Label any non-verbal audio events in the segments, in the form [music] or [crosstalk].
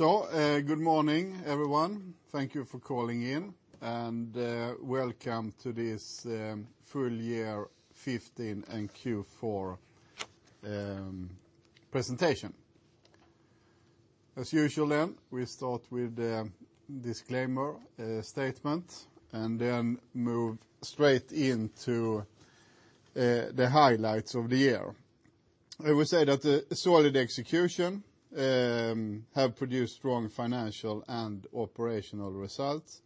Good morning, everyone. Thank you for calling in, and welcome to this full year 2015 and Q4 presentation. We start with the disclaimer statement and then move straight into the highlights of the year. I will say that a solid execution has produced strong financial and operational results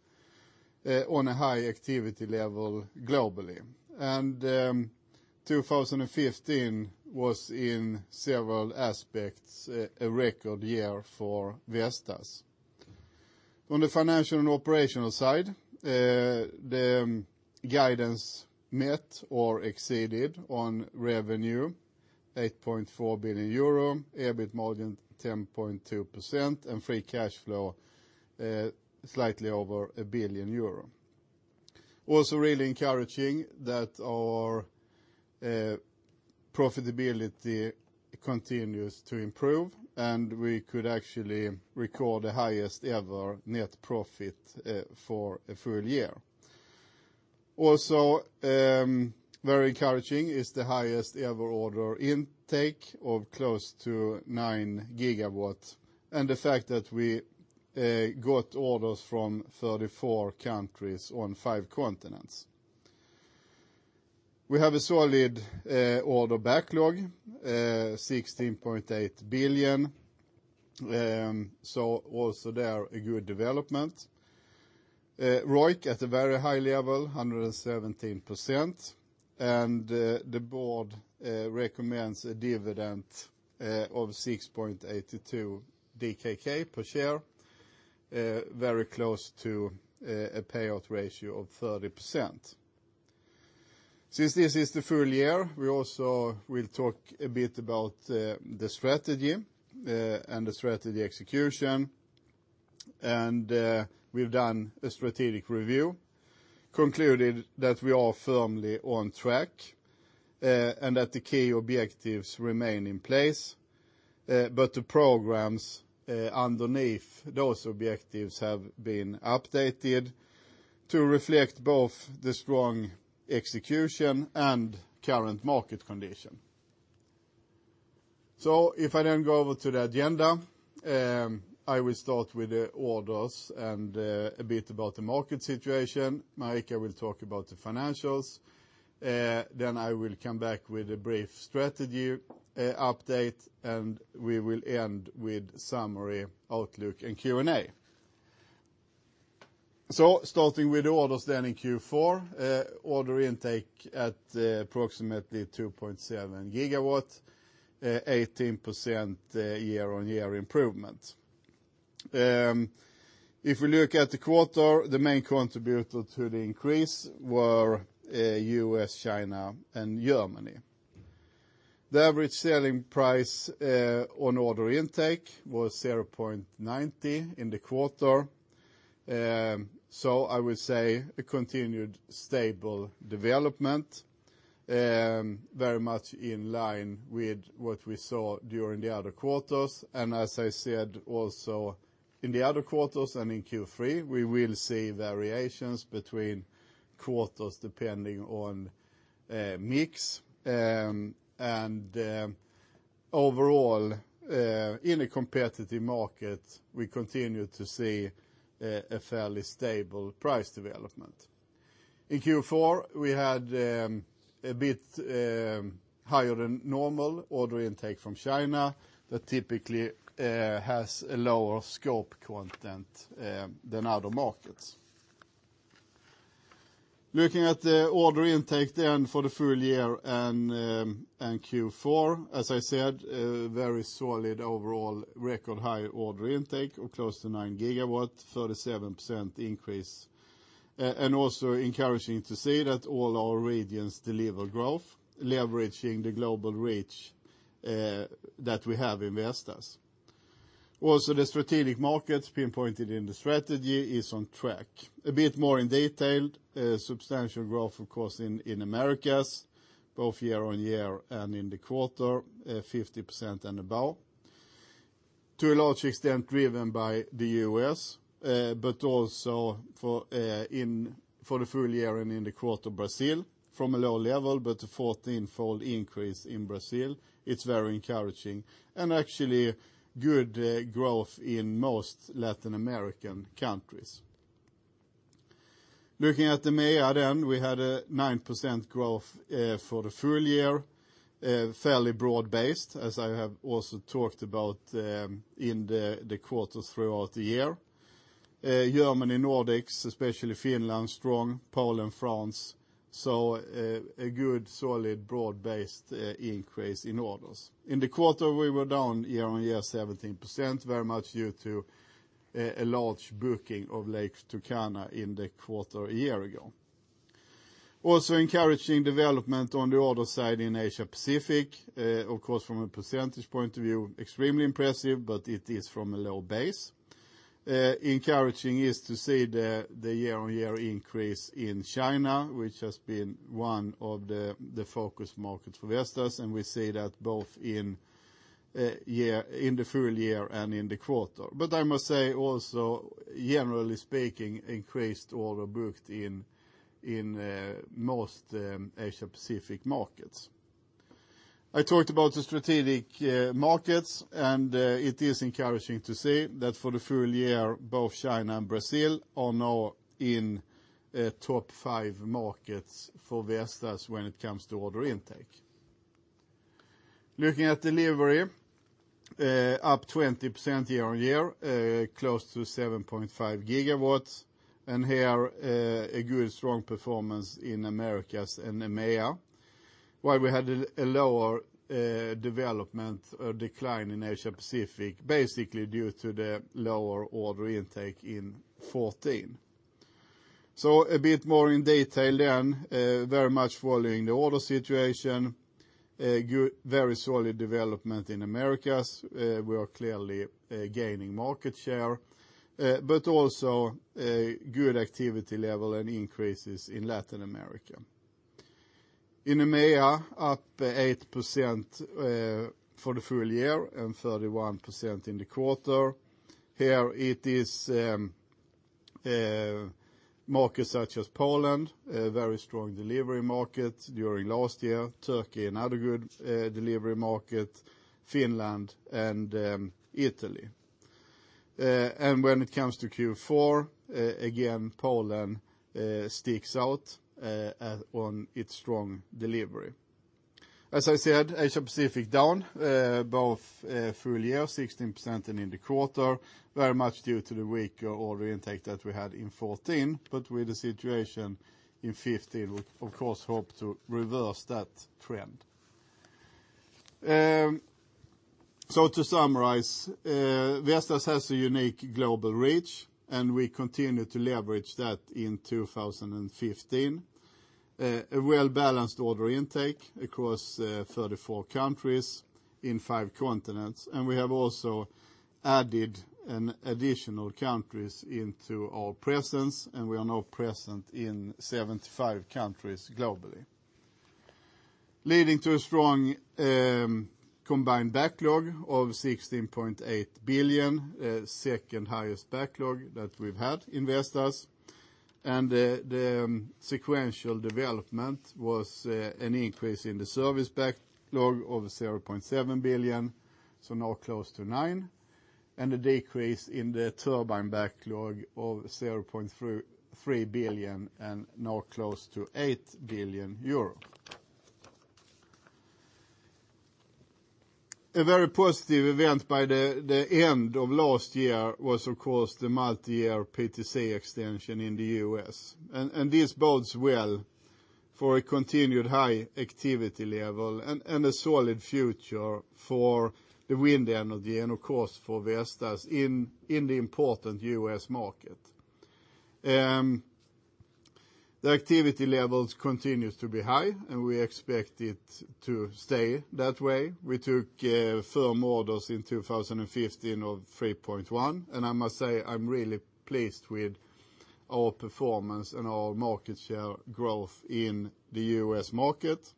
on a high activity level globally. 2015 was, in several aspects, a record year for Vestas. On the financial and operational side, the guidance met or exceeded on revenue 8.4 billion euro, EBIT margin 10.2%, and free cash flow slightly over 1 billion euro. Also really encouraging that our profitability continues to improve, and we could actually record the highest-ever net profit for a full year. Also very encouraging is the highest-ever order intake of close to nine gigawatts, and the fact that we got orders from 34 countries on five continents. We have a solid order backlog, 16.8 billion. Also there, a good development. ROIC at a very high level, 117%. The board recommends a dividend of 6.82 DKK per share, very close to a payout ratio of 30%. We also will talk a bit about the strategy and the strategy execution. We've done a strategic review, concluded that we are firmly on track, and that the key objectives remain in place. The programs underneath those objectives have been updated to reflect both the strong execution and current market condition. I will start with the orders and a bit about the market situation. Marika will talk about the financials. I will come back with a brief strategy update, and we will end with summary, outlook, and Q&A. Order intake at approximately 2.7 gigawatts, 18% year-on-year improvement. If we look at the quarter, the main contributor to the increase was the U.S., China, and Germany. The average selling price on order intake was 0.90 in the quarter. I would say a continued stable development, very much in line with what we saw during the other quarters. As I said also in the other quarters and in Q3, we will see variations between quarters depending on mix. Overall, in a competitive market, we continue to see a fairly stable price development. In Q4, we had a bit higher than normal order intake from China that typically has a lower scope content than other markets. As I said, a very solid overall record high order intake of close to nine gigawatts, 37% increase. Also encouraging to see that all our regions deliver growth, leveraging the global reach that we have in Vestas. Also, the strategic markets pinpointed in the strategy are on track. A bit more in detail, substantial growth, of course, in Americas, both year-on-year and in the quarter, 50% and above. To a large extent driven by the U.S., but also for the full year and in the quarter, Brazil, from a low level, but a 14-fold increase in Brazil. It's very encouraging and actually good growth in most Latin American countries. We had a 9% growth for the full year, fairly broad-based, as I have also talked about in the quarters throughout the year. Germany, Nordics, especially Finland, strong. Poland, France. A good solid, broad-based increase in orders. In the quarter, we were down year-on-year 17%, very much due to a large booking of Lake Turkana in the quarter a year ago. Also encouraging development on the other side in Asia-Pacific, of course, from a percentage point of view, extremely impressive, but it is from a low base. Encouraging is to see the year-on-year increase in China, which has been one of the focus markets for Vestas, and we see that both in the full year and in the quarter. I must say also, generally speaking, increased order booked in most Asia-Pacific markets. I talked about the strategic markets, and it is encouraging to see that for the full year, both China and Brazil are now in top five markets for Vestas when it comes to order intake. Looking at delivery, up 20% year-on-year, close to 7.5 gigawatts, here, a good, strong performance in Americas and EMEA, while we had a lower development or decline in Asia-Pacific, basically due to the lower order intake in 2014. A bit more in detail then, very much following the order situation, very solid development in Americas. We are clearly gaining market share, but also a good activity level and increases in Latin America. In EMEA, up 8% for the full year and 31% in the quarter. Here it is markets such as Poland, a very strong delivery market during last year. Turkey, another good delivery market, Finland and Italy. When it comes to Q4, again, Poland sticks out on its strong delivery. As I said, Asia-Pacific down both full year, 16%, and in the quarter, very much due to the weaker order intake that we had in 2014. With the situation in 2015, we of course hope to reverse that trend. To summarize, Vestas has a unique global reach, and we continue to leverage that in 2015. A well-balanced order intake across 34 countries in five continents. We have also added additional countries into our presence, and we are now present in 75 countries globally, leading to a strong combined backlog of 16.8 billion, second-highest backlog that we've had in Vestas. The sequential development was an increase in the service backlog of 0.7 billion, so now close to 9 billion, and a decrease in the turbine backlog of 0.3 billion and now close to 8 billion euro. A very positive event by the end of last year was, of course, the multi-year PTC extension in the U.S. This bodes well for a continued high activity level and a solid future for the wind energy and of course for Vestas in the important U.S. market. The activity levels continues to be high, and we expect it to stay that way. We took firm orders in 2015 of 3.1 and I must say I'm really pleased with our performance and our market share growth in the U.S. market.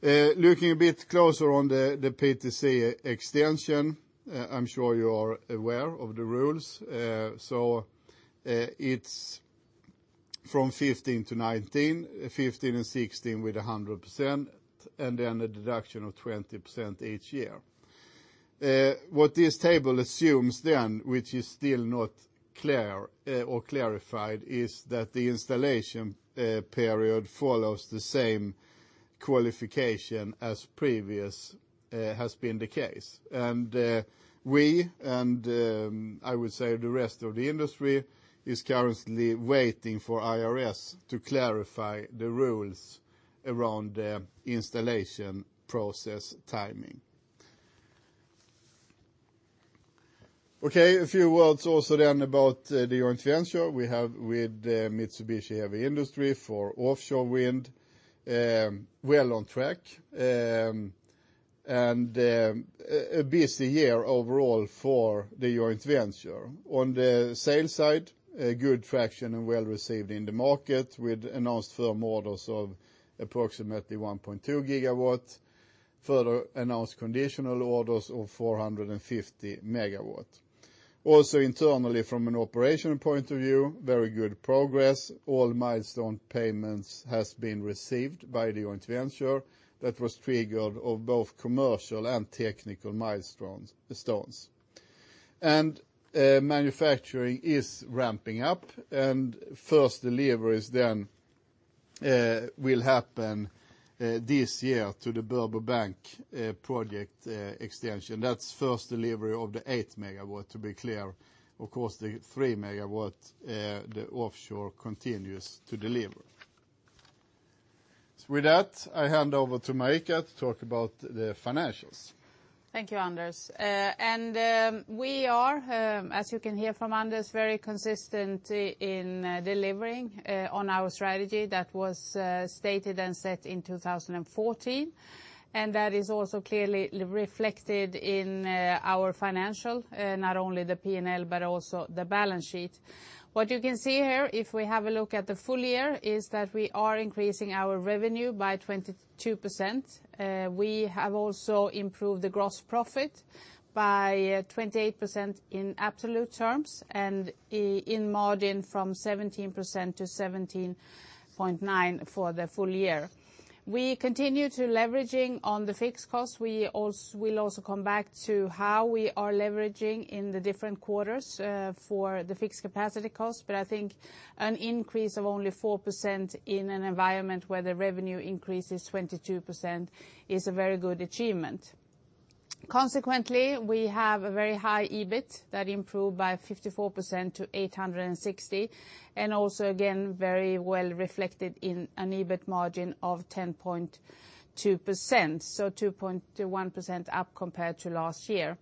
Looking a bit closer on the PTC extension, I'm sure you are aware of the rules. It's from 2015 to 2019, 2015 and 2016 with 100%, and then a deduction of 20% each year. What this table assumes then, which is still not clear or clarified, is that the installation period follows the same qualification as previous has been the case. We, and I would say the rest of the industry, is currently waiting for IRS to clarify the rules around the installation process timing. Okay, a few words also then about the joint venture we have with Mitsubishi Heavy Industries for offshore wind. Well on track and a busy year overall for the joint venture. On the sales side, good traction and well received in the market with announced firm orders of approximately 1.2 gigawatts, further announced conditional orders of 450 megawatt. Also internally, from an operational point of view, very good progress. All milestone payments has been received by the joint venture that was triggered of both commercial and technical milestones. Manufacturing is ramping up and first deliveries then will happen this year to the Burbo Bank project extension. That's first delivery of the 8 megawatt, to be clear. Of course, the 3 megawatt, the offshore continues to deliver. With that, I hand over to Marika to talk about the financials. Thank you, Anders. We are, as you can hear from Anders, very consistent in delivering on our strategy that was stated and set in 2014. That is also clearly reflected in our financial, not only the P&L, but also the balance sheet. What you can see here, if we have a look at the full year, is that we are increasing our revenue by 22%. We have also improved the gross profit by 28% in absolute terms, and in margin from 17% to 17.9% for the full year. We continue to leveraging on the fixed cost. We'll also come back to how we are leveraging in the different quarters for the fixed capacity cost. I think an increase of only 4% in an environment where the revenue increase is 22% is a very good achievement. Consequently, we have a very high EBIT that improved by 54% to 860. Also, again, very well reflected in an EBIT margin of 10.2%, so 2.1% up compared to last year.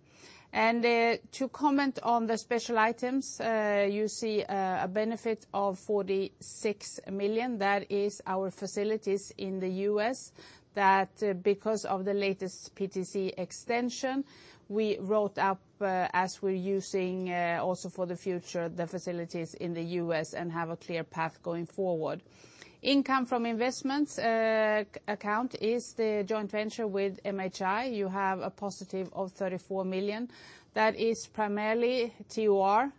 To comment on the special items, you see a benefit of 46 million. That is our facilities in the U.S., that because of the latest PTC extension, we wrote up as we're using also for the future, the facilities in the U.S. and have a clear path going forward. Income from investments account is the joint venture with MHI. You have a positive of 34 million. That is primarily TOR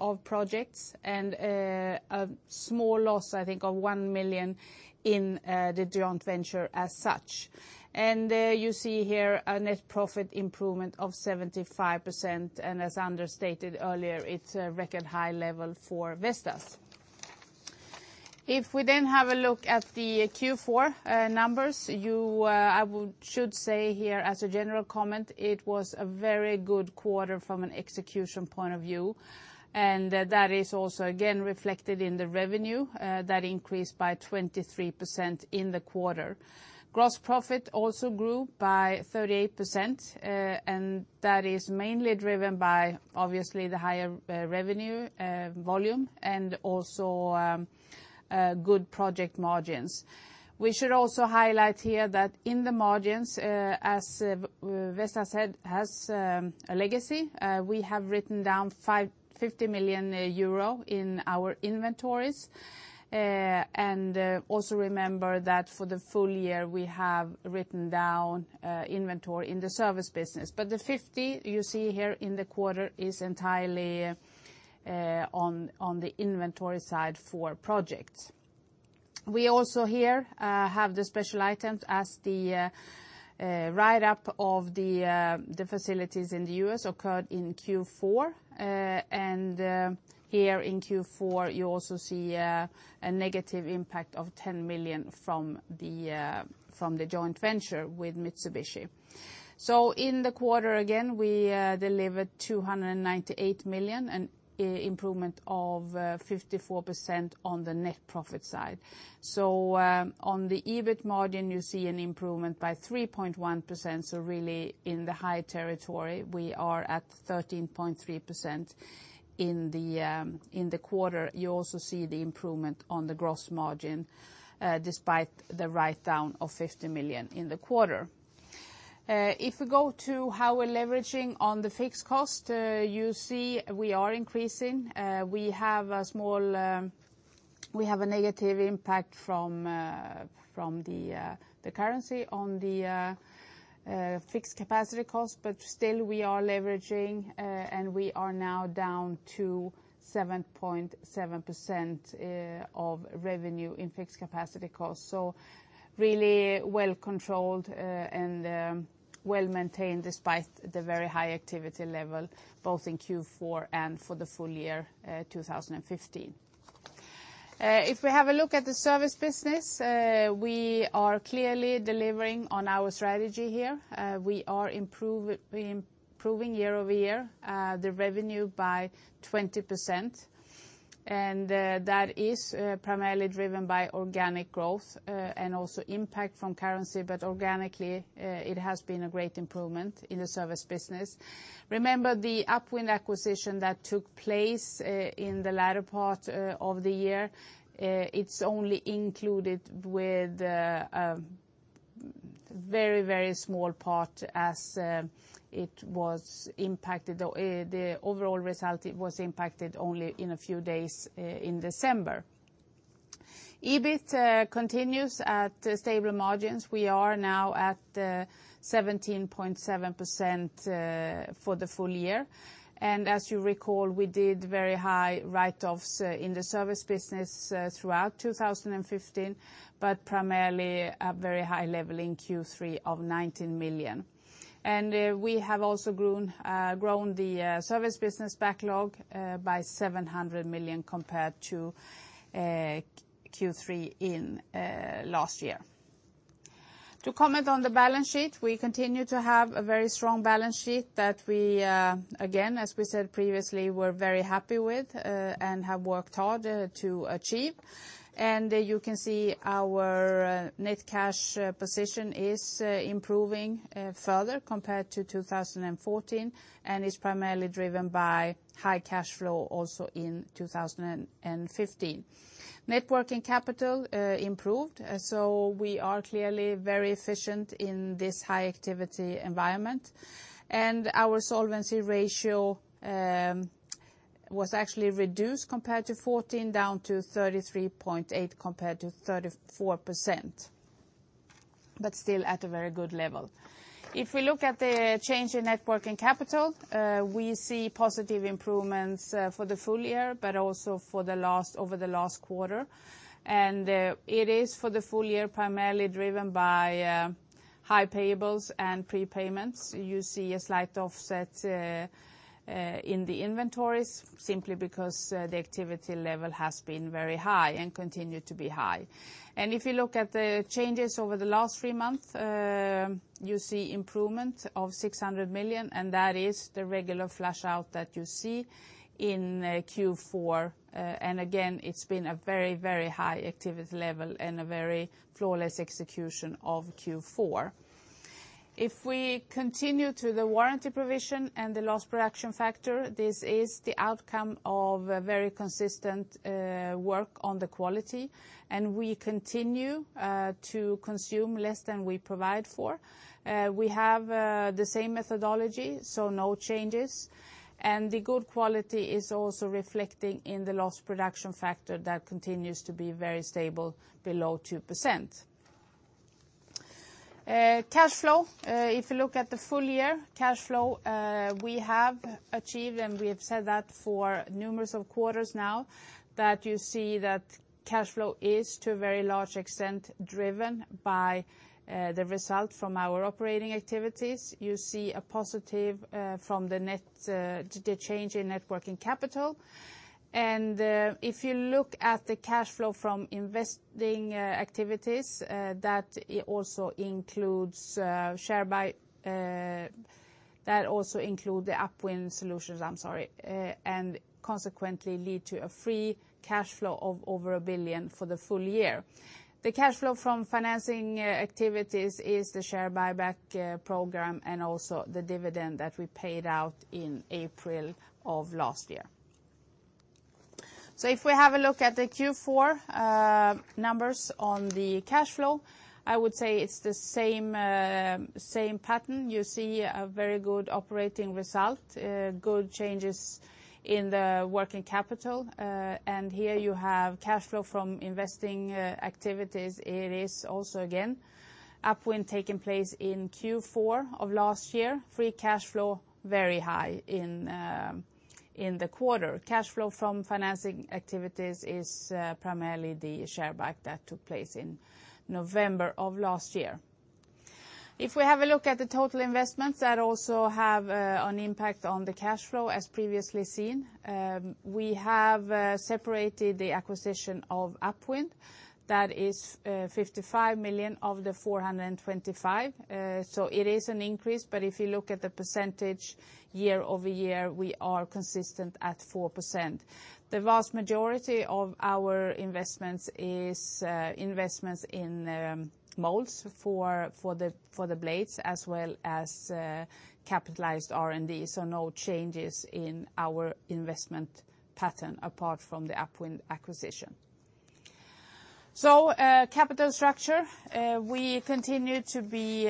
of projects and a small loss, I think, of 1 million in the joint venture as such. You see here a net profit improvement of 75%, and as Anders stated earlier, it's a record high level for Vestas. If we then have a look at the Q4 numbers, I should say here as a general comment, it was a very good quarter from an execution point of view, and that is also, again, reflected in the revenue that increased by 23% in the quarter. Gross profit also grew by 38%, and that is mainly driven by, obviously, the higher revenue volume and also good project margins. We should also highlight here that in the margins, as Vestas has a legacy, we have written down 50 million euro in our inventories. Also remember that for the full year, we have written down inventory in the service business. But the 50 you see here in the quarter is entirely on the inventory side for projects. We also here have the special items as the write-up of the facilities in the U.S. occurred in Q4. Here in Q4, you also see a negative impact of 10 million from the joint venture with Mitsubishi. In the quarter, again, we delivered 298 million, an improvement of 54% on the net profit side. On the EBIT margin, you see an improvement by 3.1%, so really in the high territory. We are at 13.3% in the quarter. You also see the improvement on the gross margin, despite the write-down of 50 million in the quarter. If we go to how we're leveraging on the fixed cost, you see we are increasing. We have a negative impact from the currency on the fixed capacity cost, but still, we are leveraging, and we are now down to 7.7% of revenue in fixed capacity costs. Really well controlled and well maintained despite the very high activity level, both in Q4 and for the full year 2015. If we have a look at the service business, we are clearly delivering on our strategy here. We are improving year-over-year the revenue by 20%, and that is primarily driven by organic growth and also impact from currency. But organically, it has been a great improvement in the service business. Remember the UpWind Solutions acquisition that took place in the latter part of the year. It's only included with a very small part as the overall result was impacted only in a few days in December. EBIT continues at stable margins. We are now at 17.7% for the full year. As you recall, we did very high write-offs in the service business throughout 2015, but primarily a very high level in Q3 of 19 million. We have also grown the service business backlog by 700 million compared to Q3 in last year. To comment on the balance sheet, we continue to have a very strong balance sheet that we, again, as we said previously, we're very happy with and have worked hard to achieve. You can see our net cash position is improving further compared to 2014, and is primarily driven by high cash flow also in 2015. net working capital improved, so we are clearly very efficient in this high activity environment. Our solvency ratio was actually reduced compared to 2014, down to 33.8%, compared to 34%, but still at a very good level. If we look at the change in net working capital, we see positive improvements for the full year, but also over the last quarter. It is for the full year, primarily driven by high payables and prepayments. You see a slight offset in the inventories simply because the activity level has been very high and continue to be high. If you look at the changes over the last three months, you see improvement of 600 million, and that is the regular flush out that you see in Q4. Again, it's been a very high activity level and a very flawless execution of Q4. If we continue to the warranty provision and the Lost Production Factor, this is the outcome of a very consistent work on the quality, and we continue to consume less than we provide for. We have the same methodology, so no changes, and the good quality is also reflecting in the Lost Production Factor that continues to be very stable below 2%. Cash flow. If you look at the full year cash flow, we have achieved, and we have said that for numerous of quarters now, that you see that cash flow is, to a very large extent, driven by the result from our operating activities. You see a positive from the change in net working capital. If you look at the cash flow from investing activities, that also include the UpWind Solutions, and consequently lead to a free cash flow of over 1 billion for the full year. The cash flow from financing activities is the share buyback program and also the dividend that we paid out in April of last year. If we have a look at the Q4 numbers on the cash flow, I would say it's the same pattern. You see a very good operating result, good changes in the working capital. Here you have cash flow from investing activities. It is also, again, UpWind taking place in Q4 of last year. Free cash flow, very high in the quarter. Cash flow from financing activities is primarily the share buyback that took place in November of last year. If we have a look at the total investments that also have an impact on the cash flow as previously seen, we have separated the acquisition of UpWind. That is 55 million of the 425. It is an increase, but if you look at the percentage year-over-year, we are consistent at 4%. The vast majority of our investments is investments in molds for the blades as well as capitalized R&D. No changes in our investment pattern apart from the UpWind acquisition. Capital structure. We continue to be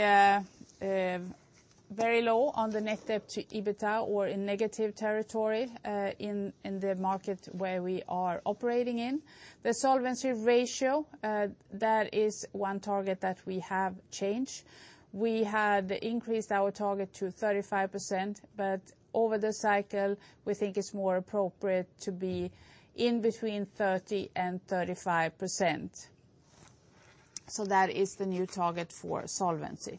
very low on the net debt to EBITDA or in negative territory in the market where we are operating in. The solvency ratio, that is one target that we have changed. We had increased our target to 35%, but over the cycle, we think it's more appropriate to be in between 30% and 35%. That is the new target for solvency.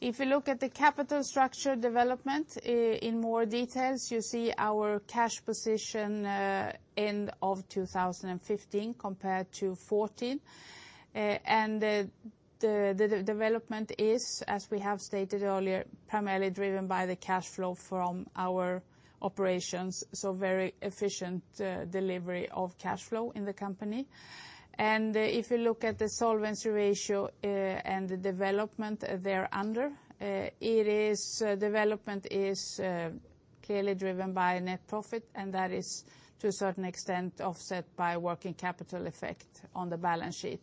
If you look at the capital structure development in more details, you see our cash position end of 2015 compared to 2014. The development is, as we have stated earlier, primarily driven by the cash flow from our operations, so very efficient delivery of cash flow in the company. If you look at the solvency ratio and the development thereunder, development is clearly driven by net profit, and that is to a certain extent, offset by working capital effect on the balance sheet.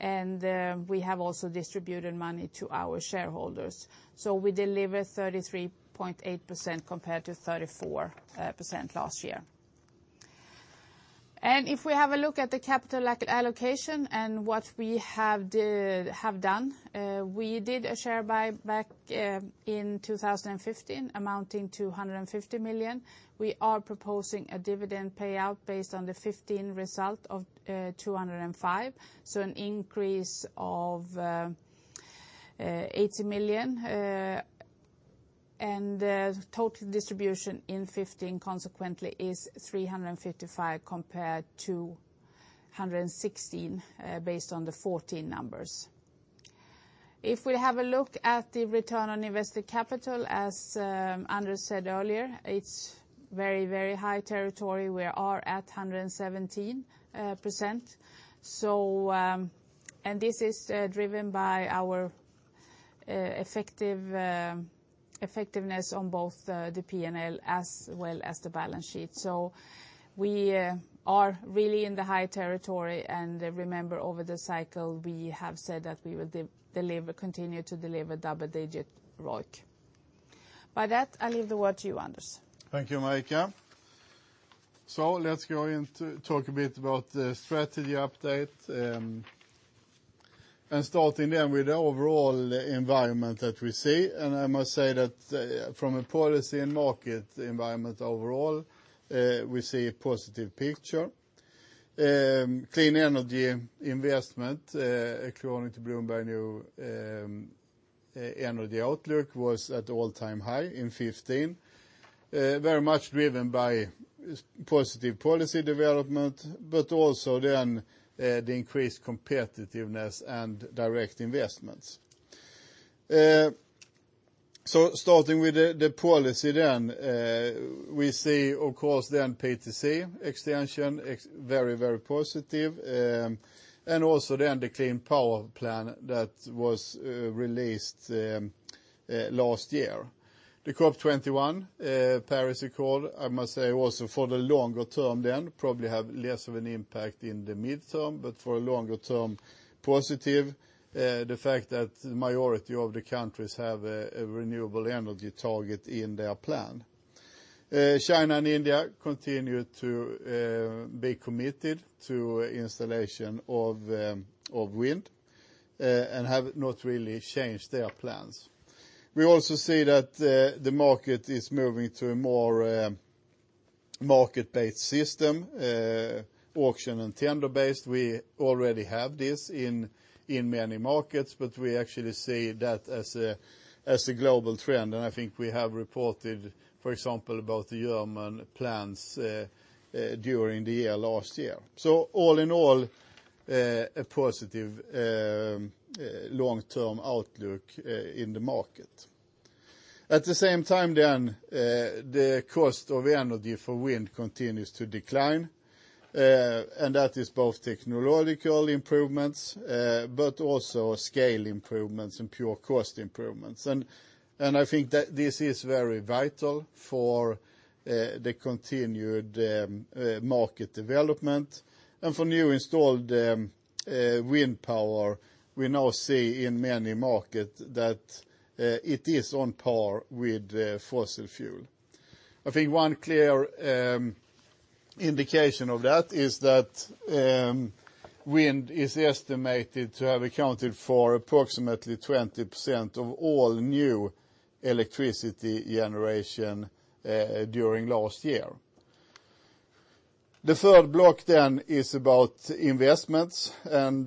We have also distributed money to our shareholders. We deliver 33.8% compared to 34% last year. If we have a look at the capital allocation and what we have done, we did a share buyback in 2015 amounting to 150 million. We are proposing a dividend payout based on the 2015 result of 205. An increase of 80 million. Total distribution in 2015 consequently is 355 compared to 116, based on the 2014 numbers. If we have a look at the return on invested capital, as Anders said earlier, it is very high territory. We are at 117%. This is driven by our effectiveness on both the P&L as well as the balance sheet. We are really in the high territory, and remember over the cycle we have said that we will continue to deliver double-digit ROIC. By that, I leave the word to you, Anders. Thank you, Marika. Let's go into talk a bit about the strategy update. Starting then with the overall environment that we see, I must say that from a policy and market environment overall, we see a positive picture. Clean energy investment, according to Bloomberg New Energy Finance, was at all-time high in 2015. Very much driven by positive policy development, but also the increased competitiveness and direct investments. Starting with the policy then, we see, of course, PTC extension is very positive, also the Clean Power Plan that was released last year. The COP 21, Paris Agreement, I must say, also for the longer term, probably have less of an impact in the mid-term, but for a longer term positive the fact that the majority of the countries have a renewable energy target in their plan. China and India continue to be committed to installation of wind, have not really changed their plans. We also see that the market is moving to a more market-based system, auction and tender-based. We already have this in many markets, but we actually see that as a global trend, I think we have reported, for example, about the German plans during the year, last year. All in all, a positive long-term outlook in the market. At the same time, the cost of energy for wind continues to decline. That is both technological improvements, but also scale improvements and pure cost improvements. I think that this is very vital for the continued market development. For new installed wind power, we now see in many markets that it is on par with fossil fuel. I think one clear indication of that is that wind is estimated to have accounted for approximately 20% of all new electricity generation during last year. The third block then is about investments, and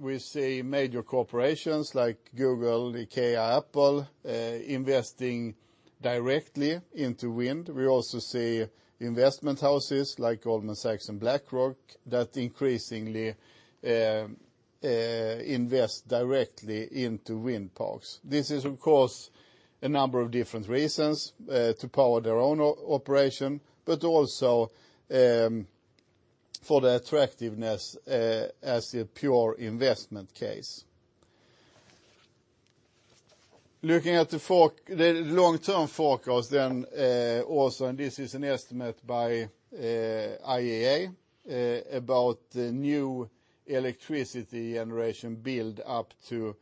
we see major corporations like Google, IKEA, Apple, investing directly into wind. We also see investment houses like Goldman Sachs and BlackRock, that increasingly invest directly into wind parks. This is of course a number of different reasons, to power their own operation, but also for the attractiveness as a pure investment case. Looking at the long-term forecast then also, and this is an estimate by IEA about the new electricity generation build-up to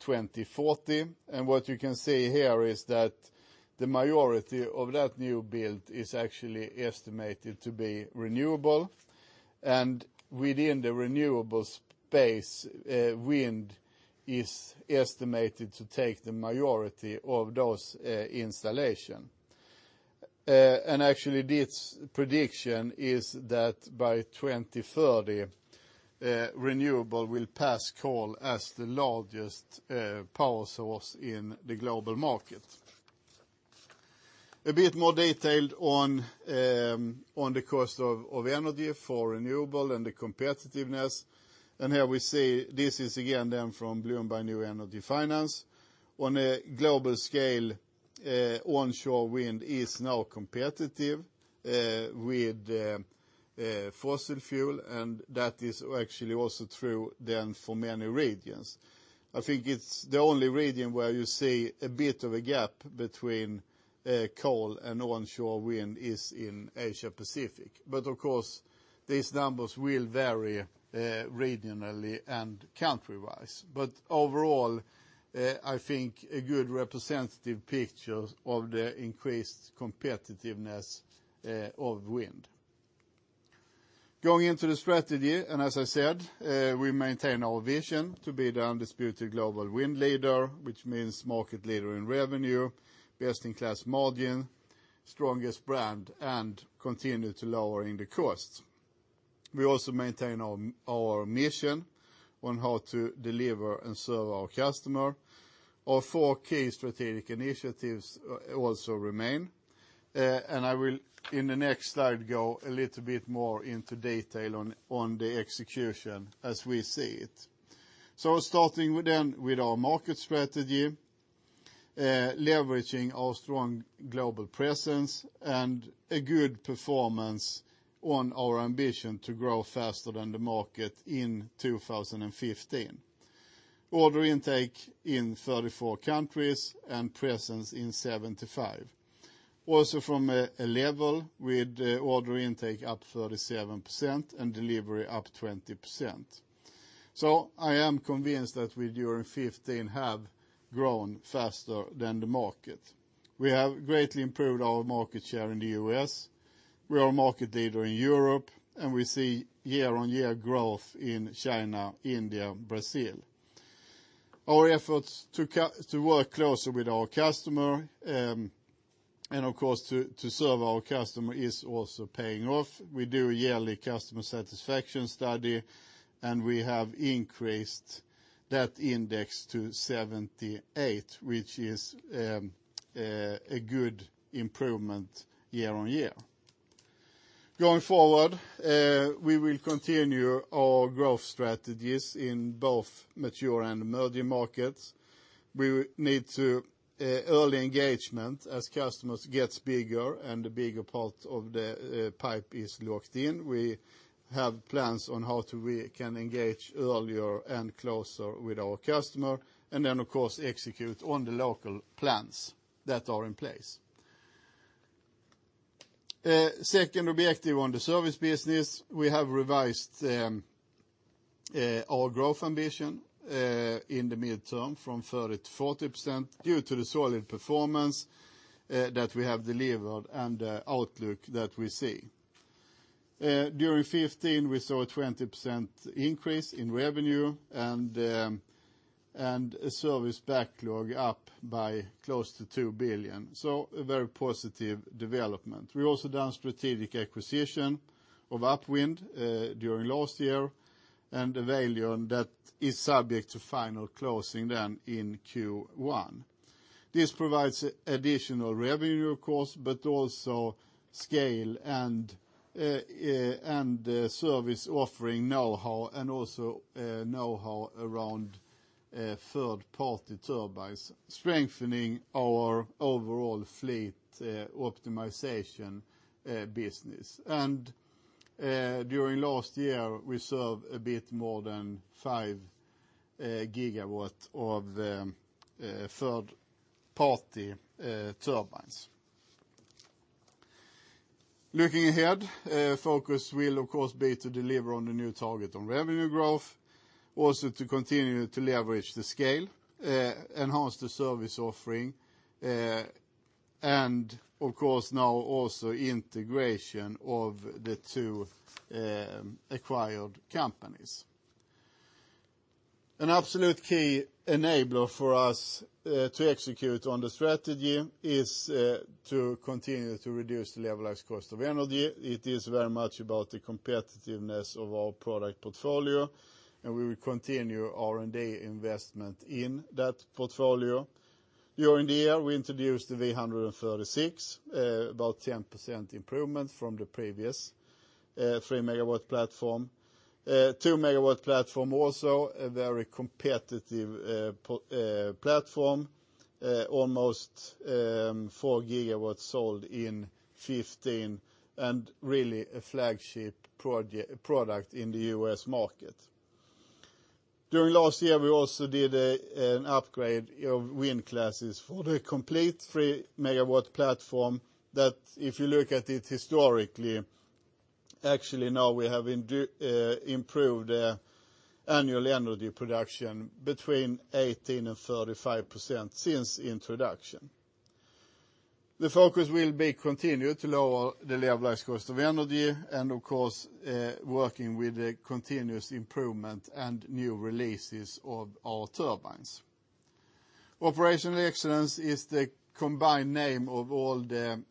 2040. What you can see here is that the majority of that new build is actually estimated to be renewable. Within the renewable space, wind is estimated to take the majority of those installation. Actually this prediction is that by 2030, renewable will pass coal as the largest power source in the global market. A bit more detailed on the cost of energy for renewable and the competitiveness. Here we see this is again then from Bloomberg New Energy Finance. On a global scale, onshore wind is now competitive with fossil fuel, and that is actually also true then for many regions. I think it's the only region where you see a bit of a gap between coal and onshore wind is in Asia Pacific. Of course these numbers will vary regionally and country wise. Overall, I think a good representative picture of the increased competitiveness of wind. Going into the strategy, and as I said, we maintain our vision to be the undisputed global wind leader, which means market leader in revenue, best in class margin, strongest brand, and continue to lowering the costs. We also maintain our mission on how to deliver and serve our customer. Our four key strategic initiatives also remain. I will, in the next slide, go a little bit more into detail on the execution as we see it. Starting then with our market strategy, leveraging our strong global presence and a good performance on our ambition to grow faster than the market in 2015. Order intake in 34 countries and presence in 75. Also from a level with order intake up 37% and delivery up 20%. I am convinced that we, during 2015, have grown faster than the market. We have greatly improved our market share in the U.S. We are market leader in Europe, and we see year-on-year growth in China, India, Brazil. Our efforts to work closely with our customer, and of course to serve our customer, is also paying off. We do a yearly customer satisfaction study, and we have increased that index to 78, which is a good improvement year-on-year. Going forward, we will continue our growth strategies in both mature and emerging markets. We need early engagement as customers gets bigger and a bigger part of the pipe is locked in. We have plans on how we can engage earlier and closer with our customer, and then, of course, execute on the local plans that are in place. Second objective on the service business, we have revised our growth ambition in the midterm from 30%-40% due to the solid performance that we have delivered and the outlook that we see. During 2015, we saw a 20% increase in revenue and service backlog up by close to 2 billion, a very positive development. We also done strategic acquisition of UpWind during last year, and the valuation that is subject to final closing then in Q1. This provides additional revenue, of course, but also scale and service offering knowhow and also knowhow around third-party turbines, strengthening our overall fleet optimization business. During last year, we served a bit more than 5 gigawatts of third-party turbines. Looking ahead, focus will of course be to deliver on the new target on revenue growth. To continue to leverage the scale, enhance the service offering, and of course now also integration of the two acquired companies. An absolute key enabler for us to execute on the strategy is to continue to reduce the Levelized Cost of Energy. It is very much about the competitiveness of our product portfolio, and we will continue R&D investment in that portfolio. During the year, we introduced the V136, about 10% improvement from the previous 3-megawatt platform. 2-megawatt platform also a very competitive platform. Almost 4 gigawatts sold in 2015, and really a flagship product in the U.S. market. During last year, we also did an upgrade of wind classes for the complete 3-megawatt platform, that if you look at it historically, actually now we have improved annual energy production between 18%-35% since introduction. The focus will be continue to lower the Levelized Cost of Energy and, of course, working with the continuous improvement and new releases of our turbines. Operational excellence is the combined name of all the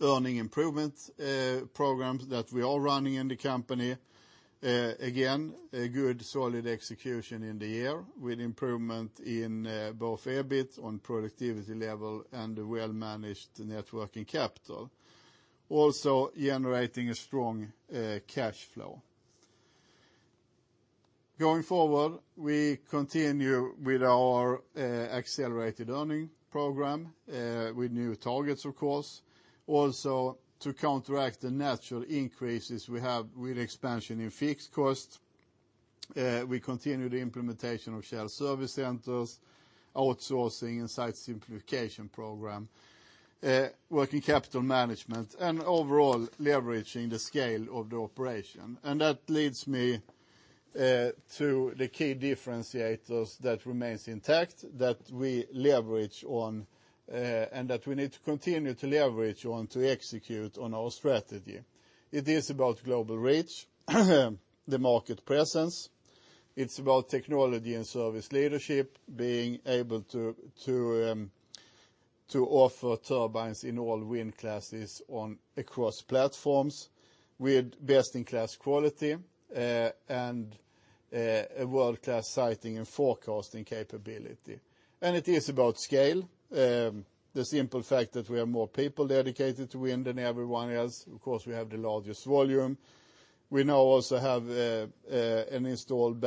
earning improvement programs that we are running in the company. Again, a good solid execution in the year with improvement in both EBIT on productivity level and the well-managed net working capital. Generating a strong cash flow. Going forward, we continue with our accelerated earnings program, with new targets of course. To counteract the natural increases we have with expansion in fixed cost, we continue the implementation of shared service centers, outsourcing, and site simplification program, working capital management, and overall leveraging the scale of the operation. That leads me to the key differentiators that remains intact, that we leverage on and that we need to continue to leverage on to execute on our strategy. It is about global reach, the market presence. It's about technology and service leadership, to offer turbines in all wind classes across platforms with best-in-class quality and a world-class siting and forecasting capability. It is about scale, the simple fact that we have more people dedicated to wind than everyone else. Of course, we have the largest volume. We now also have an installed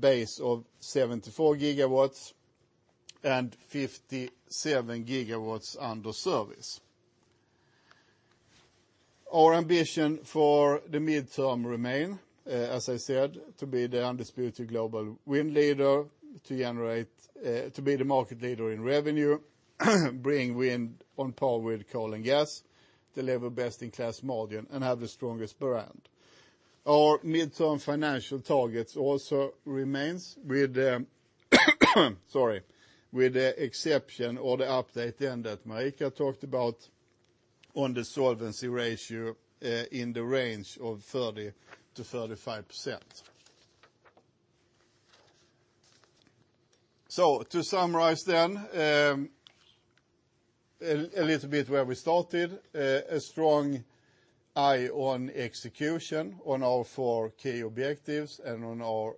base of 74 gigawatts and 57 gigawatts under service. Our ambition for the midterm remain, as I said, to be the undisputed global wind leader, to be the market leader in revenue, bring wind on par with coal and gas, deliver best-in-class margin, and have the strongest brand. Our midterm financial targets also remains with the exception or the update then that Marika talked about on the solvency ratio, in the range of 30%-35%. To summarize then, a little bit where we started, a strong eye on execution on our four key objectives and on our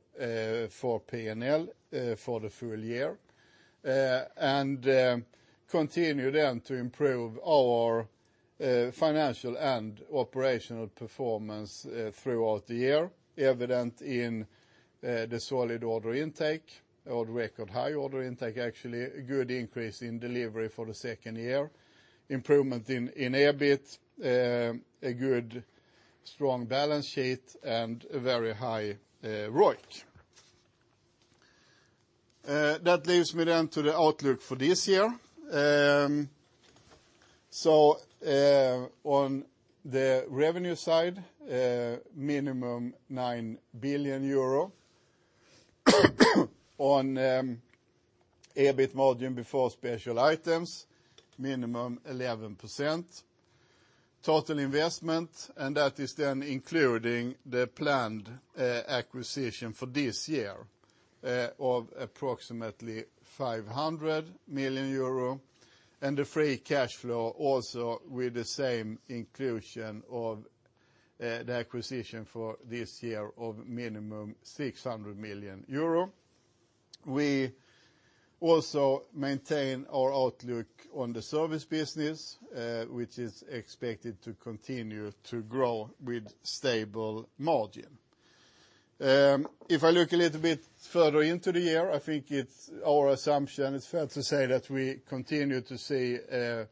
four P&L, for the full year. Continue then to improve our financial and operational performance throughout the year, evident in the solid order intake or the record high order intake, actually, a good increase in delivery for the second year. Improvement in EBIT, a good strong balance sheet, and a very high ROIC. That leaves me then to the outlook for this year. On the revenue side, minimum EUR 9 billion. On EBIT margin before special items, minimum 11%. Total investment, and that is then including the planned acquisition for this year of approximately 500 million euro, and the free cash flow also with the same inclusion of the acquisition for this year of minimum 600 million euro. We also maintain our outlook on the service business, which is expected to continue to grow with stable margin. If I look a little bit further into the year, I think it's our assumption, it's fair to say that we continue to see a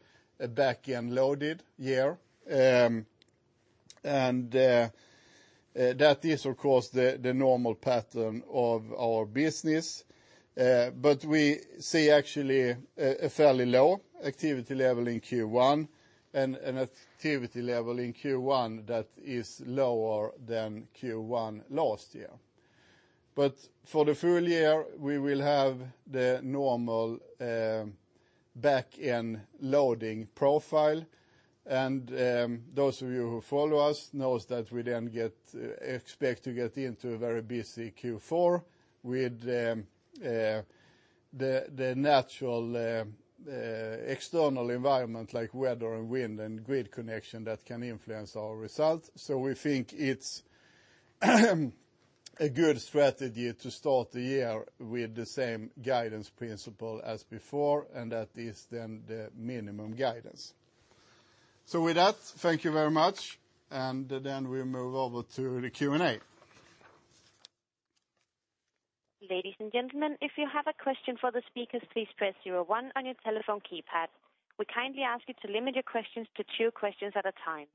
back-end loaded year. That is, of course, the normal pattern of our business. We see actually a fairly low activity level in Q1 and an activity level in Q1 that is lower than Q1 last year. For the full year, we will have the normal back-end loading profile and those of you who follow us knows that we then expect to get into a very busy Q4 with the natural external environment like weather and wind and grid connection that can influence our results. We think it's a good strategy to start the year with the same guidance principle as before, and that is then the minimum guidance. With that, thank you very much, and then we move over to the Q&A. Ladies and gentlemen, if you have a question for the speakers, please press 01 on your telephone keypad. We kindly ask you to limit your questions to two questions at a time.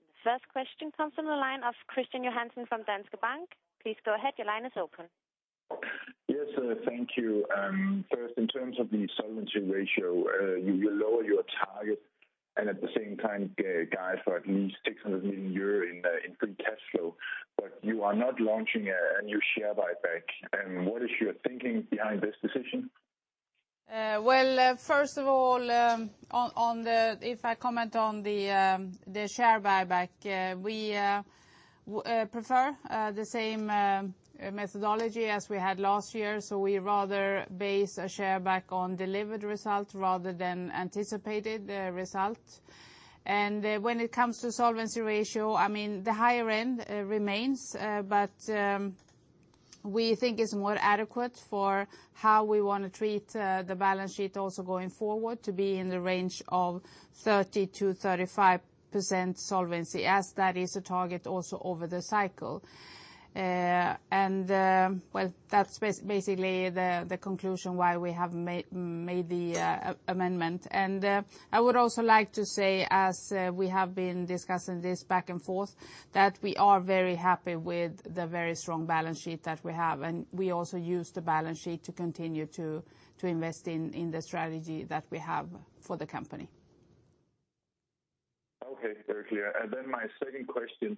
The first question comes from the line of Kristian Johansen from Danske Bank. Please go ahead. Your line is open. Yes, thank you. First, in terms of the solvency ratio, you lower your target and at the same time gave a guide for at least 600 million euro in free cash flow, you are not launching a new share buyback. What is your thinking behind this decision? Well, first of all, if I comment on the share buyback, we prefer the same methodology as we had last year. We rather base a share buyback on delivered results rather than anticipated result. When it comes to solvency ratio, the higher end remains, but we think it's more adequate for how we want to treat the balance sheet also going forward to be in the range of 30%-35% solvency, as that is a target also over the cycle. Well, that's basically the conclusion why we have made the amendment. I would also like to say, as we have been discussing this back and forth, that we are very happy with the very strong balance sheet that we have, and we also use the balance sheet to continue to invest in the strategy that we have for the company. Okay, very clear. My second question,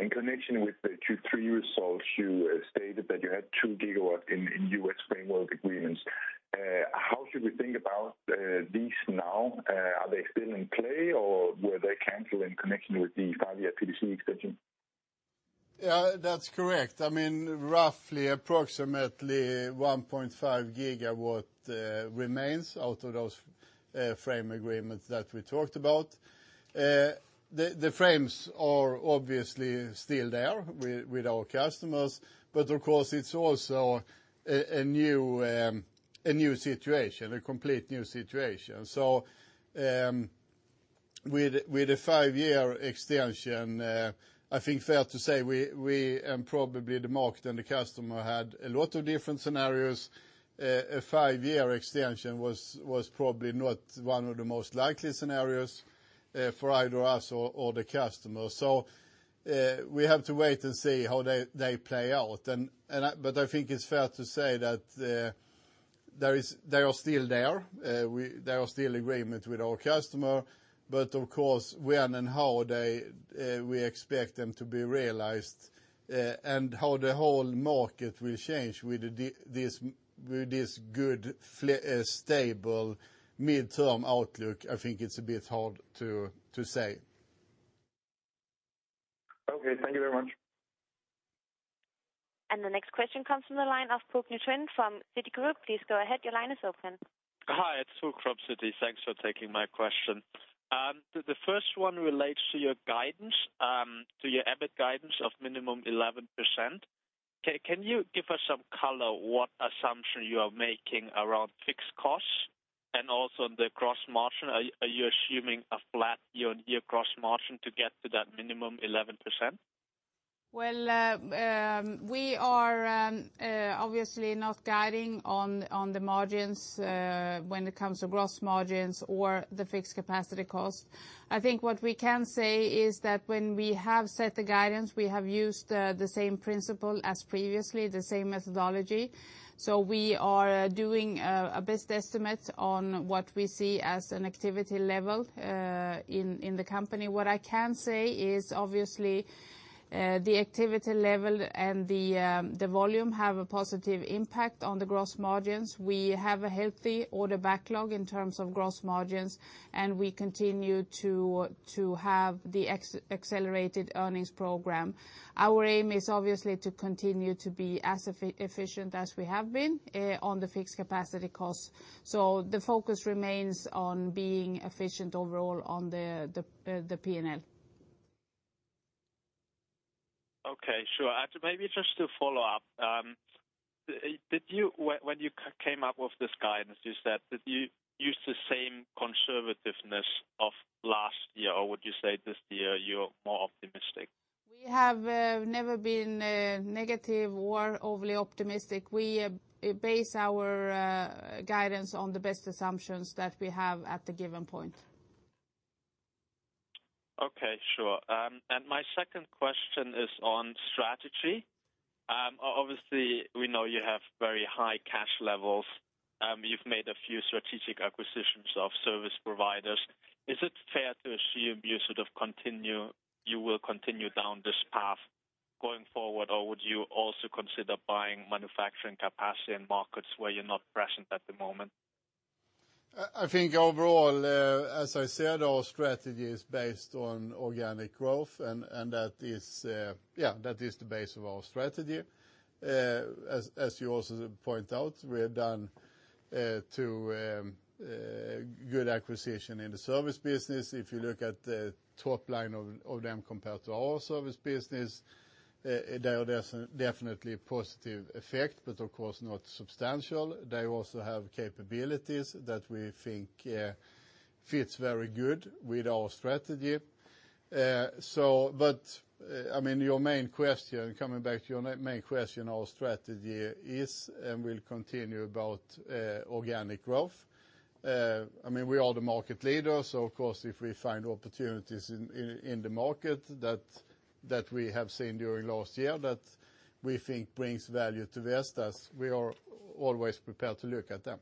in connection with the Q3 results, you stated that you had 2 gigawatts in U.S. framework agreements. How should we think about these now? Are they still in play or were they canceled in connection with the 5-year PTC extension? Yeah, that's correct. Roughly approximately 1.5 gigawatt remains out of those frame agreements that we talked about. The frames are obviously still there with our customers. Of course, it's also a complete new situation. With a 5-year extension, I think fair to say, we and probably the market and the customer had a lot of different scenarios. A 5-year extension was probably not one of the most likely scenarios for either us or the customer. We have to wait and see how they play out. I think it's fair to say that they are still there. There are still agreement with our customer, but of course, when and how we expect them to be realized, and how the whole market will change with this good, stable, midterm outlook, I think it's a bit hard to say. Okay. Thank you very much. The next question comes from the line of Puc Nguyen from Citigroup. Please go ahead. Your line is open. Hi, it's Puc from Citi. Thanks for taking my question. The first one relates to your EBIT guidance of minimum 11%. Can you give us some color what assumption you are making around fixed costs and also the gross margin? Are you assuming a flat year-on-year gross margin to get to that minimum 11%? Well, we are obviously not guiding on the margins, when it comes to gross margins or the fixed capacity cost. I think what we can say is that when we have set the guidance, we have used the same principle as previously, the same methodology. We are doing a best estimate on what we see as an activity level in the company. What I can say is obviously, the activity level and the volume have a positive impact on the gross margins. We have a healthy order backlog in terms of gross margins, and we continue to have the accelerated earnings program. Our aim is obviously to continue to be as efficient as we have been on the fixed capacity cost. The focus remains on being efficient overall on the P&L. Okay, sure. Maybe just to follow up. When you came up with this guidance, did you use the same conservativeness of last year, or would you say this year you're more optimistic? We have never been negative or overly optimistic. We base our guidance on the best assumptions that we have at the given point. Okay, sure. My second question is on strategy. Obviously we know you have very high cash levels. You've made a few strategic acquisitions of service providers. Is it fair to assume you will continue down this path going forward, or would you also consider buying manufacturing capacity in markets where you're not present at the moment? I think overall, as I said, our strategy is based on organic growth, that is the base of our strategy. As you also point out, we have done two good acquisition in the service business. If you look at the top line of them compared to our service business, they are definitely a positive effect, but of course, not substantial. They also have capabilities that we think fits very good with our strategy. Coming back to your main question, our strategy is, and will continue about organic growth. We are the market leader, of course, if we find opportunities in the market that we have seen during last year that we think brings value to Vestas, we are always prepared to look at them.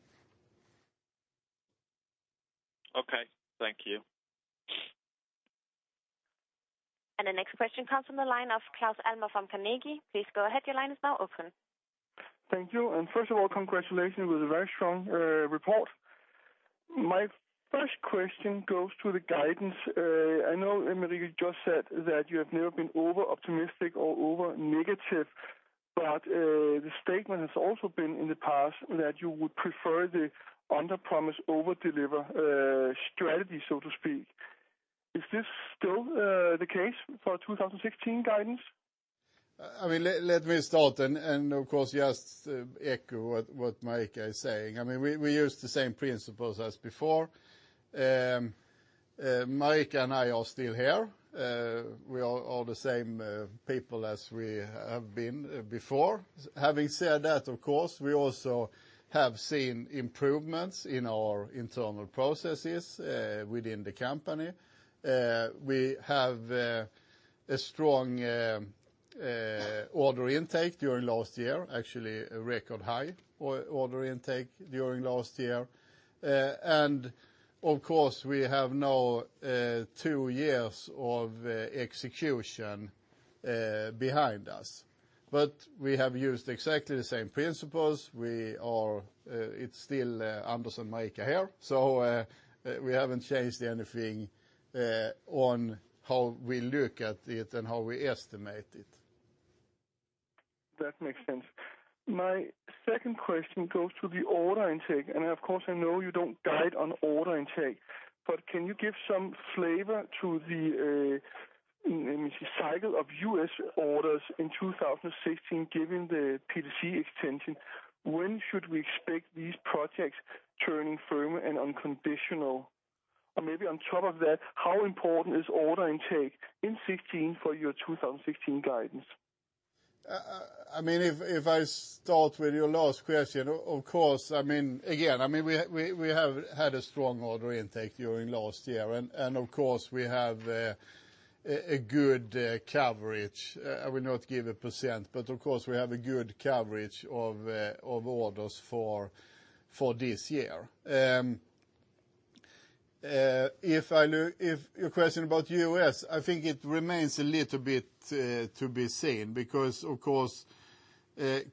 Okay. Thank you. The next question comes from the line of Claus Almer from Carnegie. Please go ahead. Your line is now open. Thank you. First of all, congratulations with a very strong report. My first question goes to the guidance. I know, Marika, you just said that you have never been over-optimistic or over negative, but the statement has also been in the past that you would prefer the underpromise, overdeliver strategy, so to speak. Is this still the case for 2016 guidance? Let me start, of course, just echo what Marika is saying. We use the same principles as before. Marika and I are still here. We are all the same people as we have been before. Having said that, of course, we also have seen improvements in our internal processes within the company. We have a strong order intake during last year, actually, a record high order intake during last year. Of course, we have now two years of execution behind us. We have used exactly the same principles. It's still Anders and Marika here, so we haven't changed anything on how we look at it and how we estimate it. That makes sense. My second question goes to the order intake, of course, I know you don't guide on order intake, but can you give some flavor to the cycle of U.S. orders in 2016, given the PTC extension? When should we expect these projects turning firm and unconditional? Maybe on top of that, how important is order intake in 2016 for your 2016 guidance? If I start with your last question, of course, again, we have had a strong order intake during last year, of course, we have a good coverage. I will not give a %, but of course, we have a good coverage of orders for this year. Your question about U.S., I think it remains a little bit to be seen because, of course,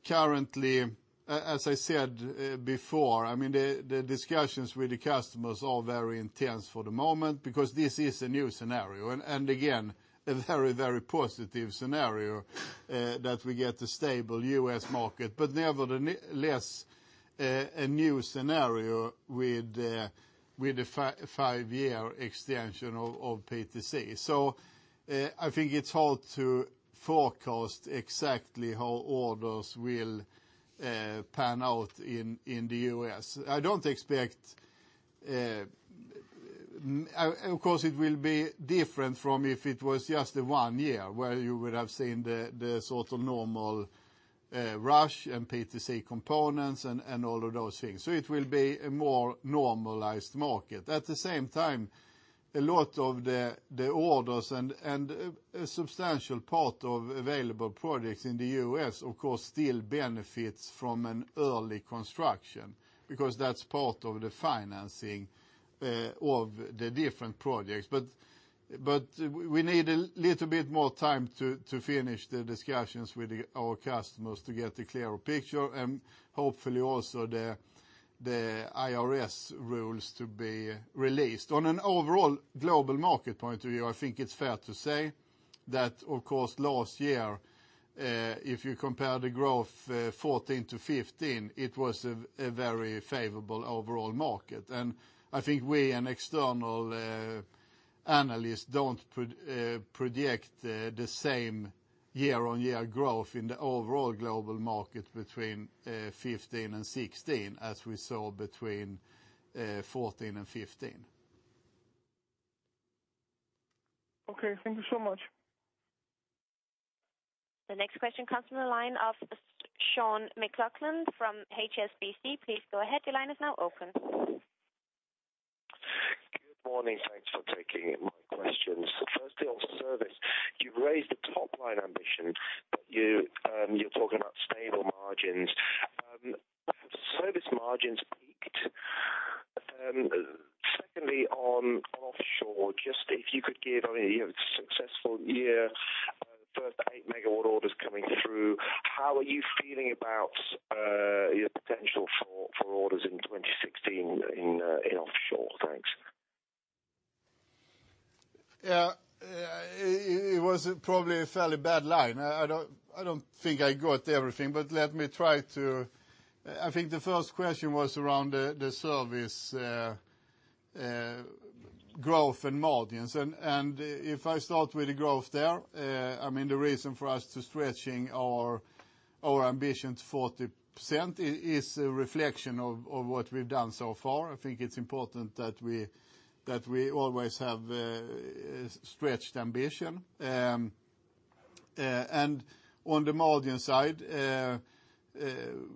currently, as I said before, the discussions with the customers are very intense for the moment because this is a new scenario. Again, a very, very positive scenario that we get a stable U.S. market, but nevertheless, a new scenario with the five-year extension of PTC. I think it's hard to forecast exactly how orders will pan out in the U.S. Of course, it will be different from if it was just one year, where you would have seen the sort of normal rush and PTC components and all of those things. It will be a more normalized market. At the same time, a lot of the orders and a substantial part of available projects in the U.S., of course, still benefits from an early construction, because that's part of the financing of the different projects. We need a little bit more time to finish the discussions with our customers to get a clearer picture and hopefully also the IRS rules to be released. On an overall global market point of view, I think it's fair to say that, of course, last year, if you compare the growth 2014 to 2015, it was a very favorable overall market. I think we and external analysts don't project the same year-on-year growth in the overall global market between 2015 and 2016 as we saw between 2014 and 2015. Okay. Thank you so much. The next question comes from the line of Sean McLoughlin from HSBC. Please go ahead. Your line is now open. Good morning. Thanks for taking my questions. Firstly, on service, you've raised the top-line ambition, but you're talking about stable margins. Have service margins peaked? Secondly, on offshore, you have a successful year, first 8-megawatt order is coming through. How are you feeling about your potential for orders in 2016 in offshore? Thanks. Yeah. It was probably a fairly bad line. I don't think I got everything, but let me try to I think the first question was around the service growth and margins. If I start with the growth there, the reason for us to stretching our ambition to 40% is a reflection of what we've done so far. I think it's important that we always have a stretched ambition. On the margin side,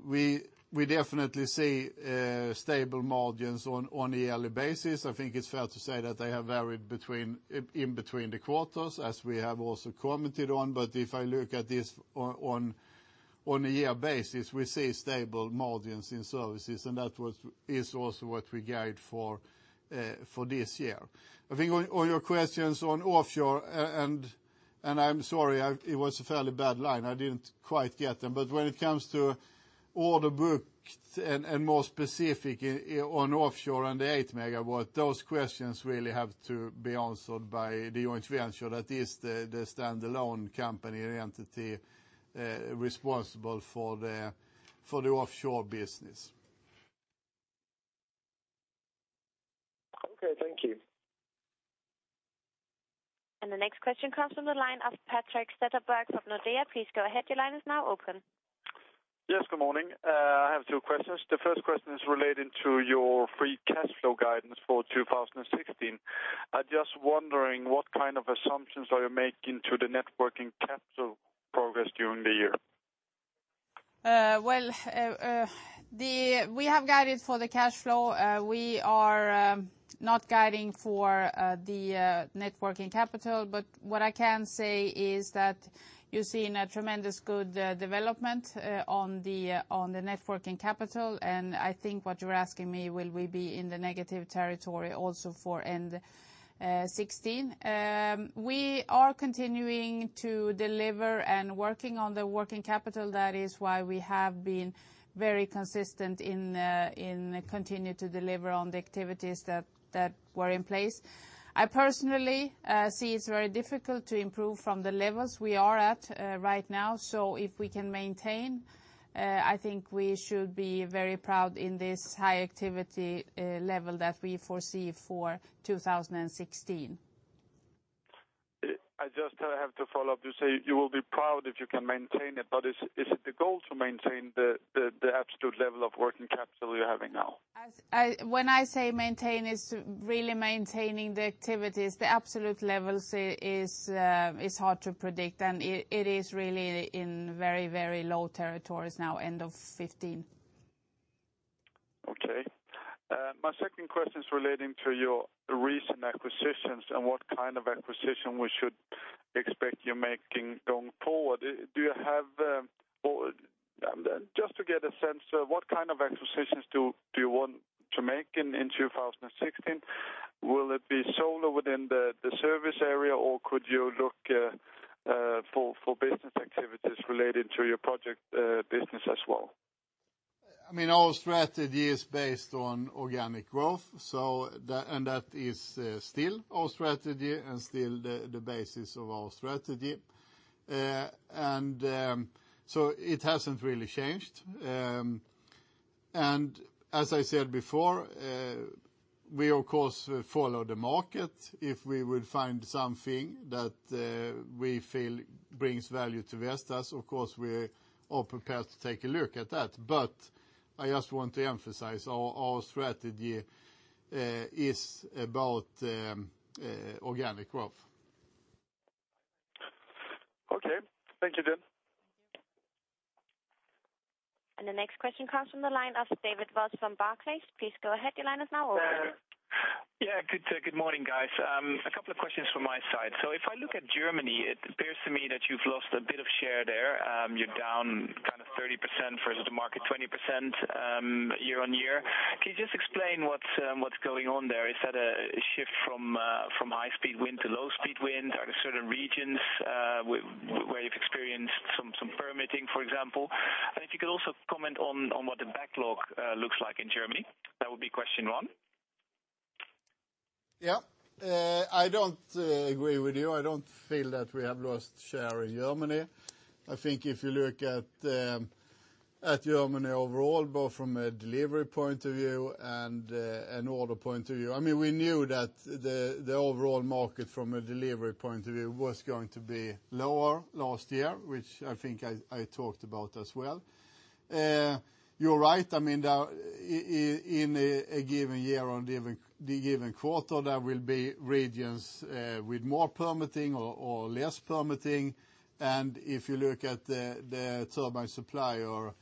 we definitely see stable margins on a yearly basis. I think it's fair to say that they have varied in between the quarters, as we have also commented on. If I look at this on a year basis, we see stable margins in services, and that is also what we guide for this year. I think on your questions on offshore, I'm sorry, it was a fairly bad line. I didn't quite get them. When it comes to order book and more specific on offshore and the eight megawatt, those questions really have to be answered by the joint venture that is the standalone company or entity responsible for the offshore business. Okay, thank you. The next question comes from the line of Patrik Zetterberg from Nordea. Please go ahead, your line is now open. Yes, good morning. I have two questions. The first question is relating to your free cash flow guidance for 2016. I am just wondering what kind of assumptions are you making to the net working capital progress during the year? Well, we have guided for the cash flow. Not guiding for the net working capital, but what I can say is that you're seeing a tremendous good development on the net working capital. I think what you're asking me, will we be in the negative territory also for end 2016? We are continuing to deliver and working on the working capital. That is why we have been very consistent in continue to deliver on the activities that were in place. I personally see it's very difficult to improve from the levels we are at right now. If we can maintain, I think we should be very proud in this high activity level that we foresee for 2016. I just have to follow up. You say you will be proud if you can maintain it, is it the goal to maintain the absolute level of working capital you're having now? When I say maintain, it's really maintaining the activities. The absolute levels is hard to predict, it is really in very low territories now, end of 2015. Okay. My second question is relating to your recent acquisitions and what kind of acquisition we should expect you making going forward. Just to get a sense, what kind of acquisitions do you want to make in 2016? Will it be solo within the service area, or could you look for business activities related to your project business as well? Our strategy is based on organic growth, that is still our strategy and still the basis of our strategy. It hasn't really changed. As I said before, we of course follow the market. If we would find something that we feel brings value to Vestas, of course, we are prepared to take a look at that. I just want to emphasize, our strategy is about organic growth. Okay. Thank you. The next question comes from the line of David Vos from Barclays. Please go ahead. Your line is now open. Yeah. Good morning, guys. A couple of questions from my side. If I look at Germany, it appears to me that you've lost a bit of share there. You're down 30% versus the market, 20% year-on-year. Can you just explain what's going on there? Is that a shift from high-speed wind to low-speed wind? Are there certain regions where you've experienced some permitting, for example? If you could also comment on what the backlog looks like in Germany. That would be question one. Yeah. I don't agree with you. I don't feel that we have lost share in Germany. I think if you look at Germany overall, both from a delivery point of view and an order point of view. We knew that the overall market from a delivery point of view was going to be lower last year, which I think I talked about as well. You're right. In a given year or the given quarter, there will be regions with more permitting or less permitting. If you look at the turbine supply or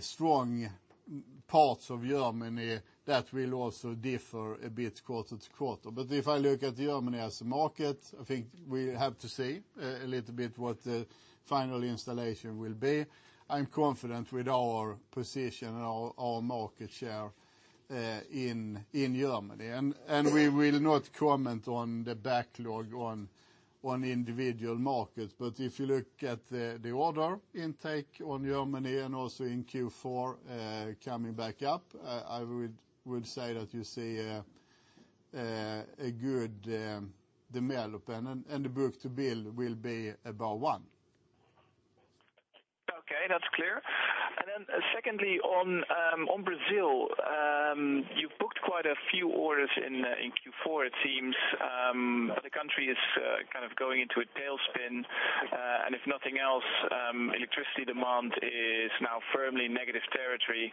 strong parts of Germany, that will also differ a bit quarter to quarter. If I look at Germany as a market, I think we have to see a little bit what the final installation will be. I'm confident with our position and our market share in Germany. We will not comment on the backlog on individual markets. If you look at the order intake on Germany and also in Q4 coming back up, I would say that you see a good development, and the book-to-bill will be above one. Okay. That's clear. Secondly, on Brazil, you've booked quite a few orders in Q4, it seems. The country is kind of going into a tailspin. If nothing else, electricity demand is now firmly in negative territory.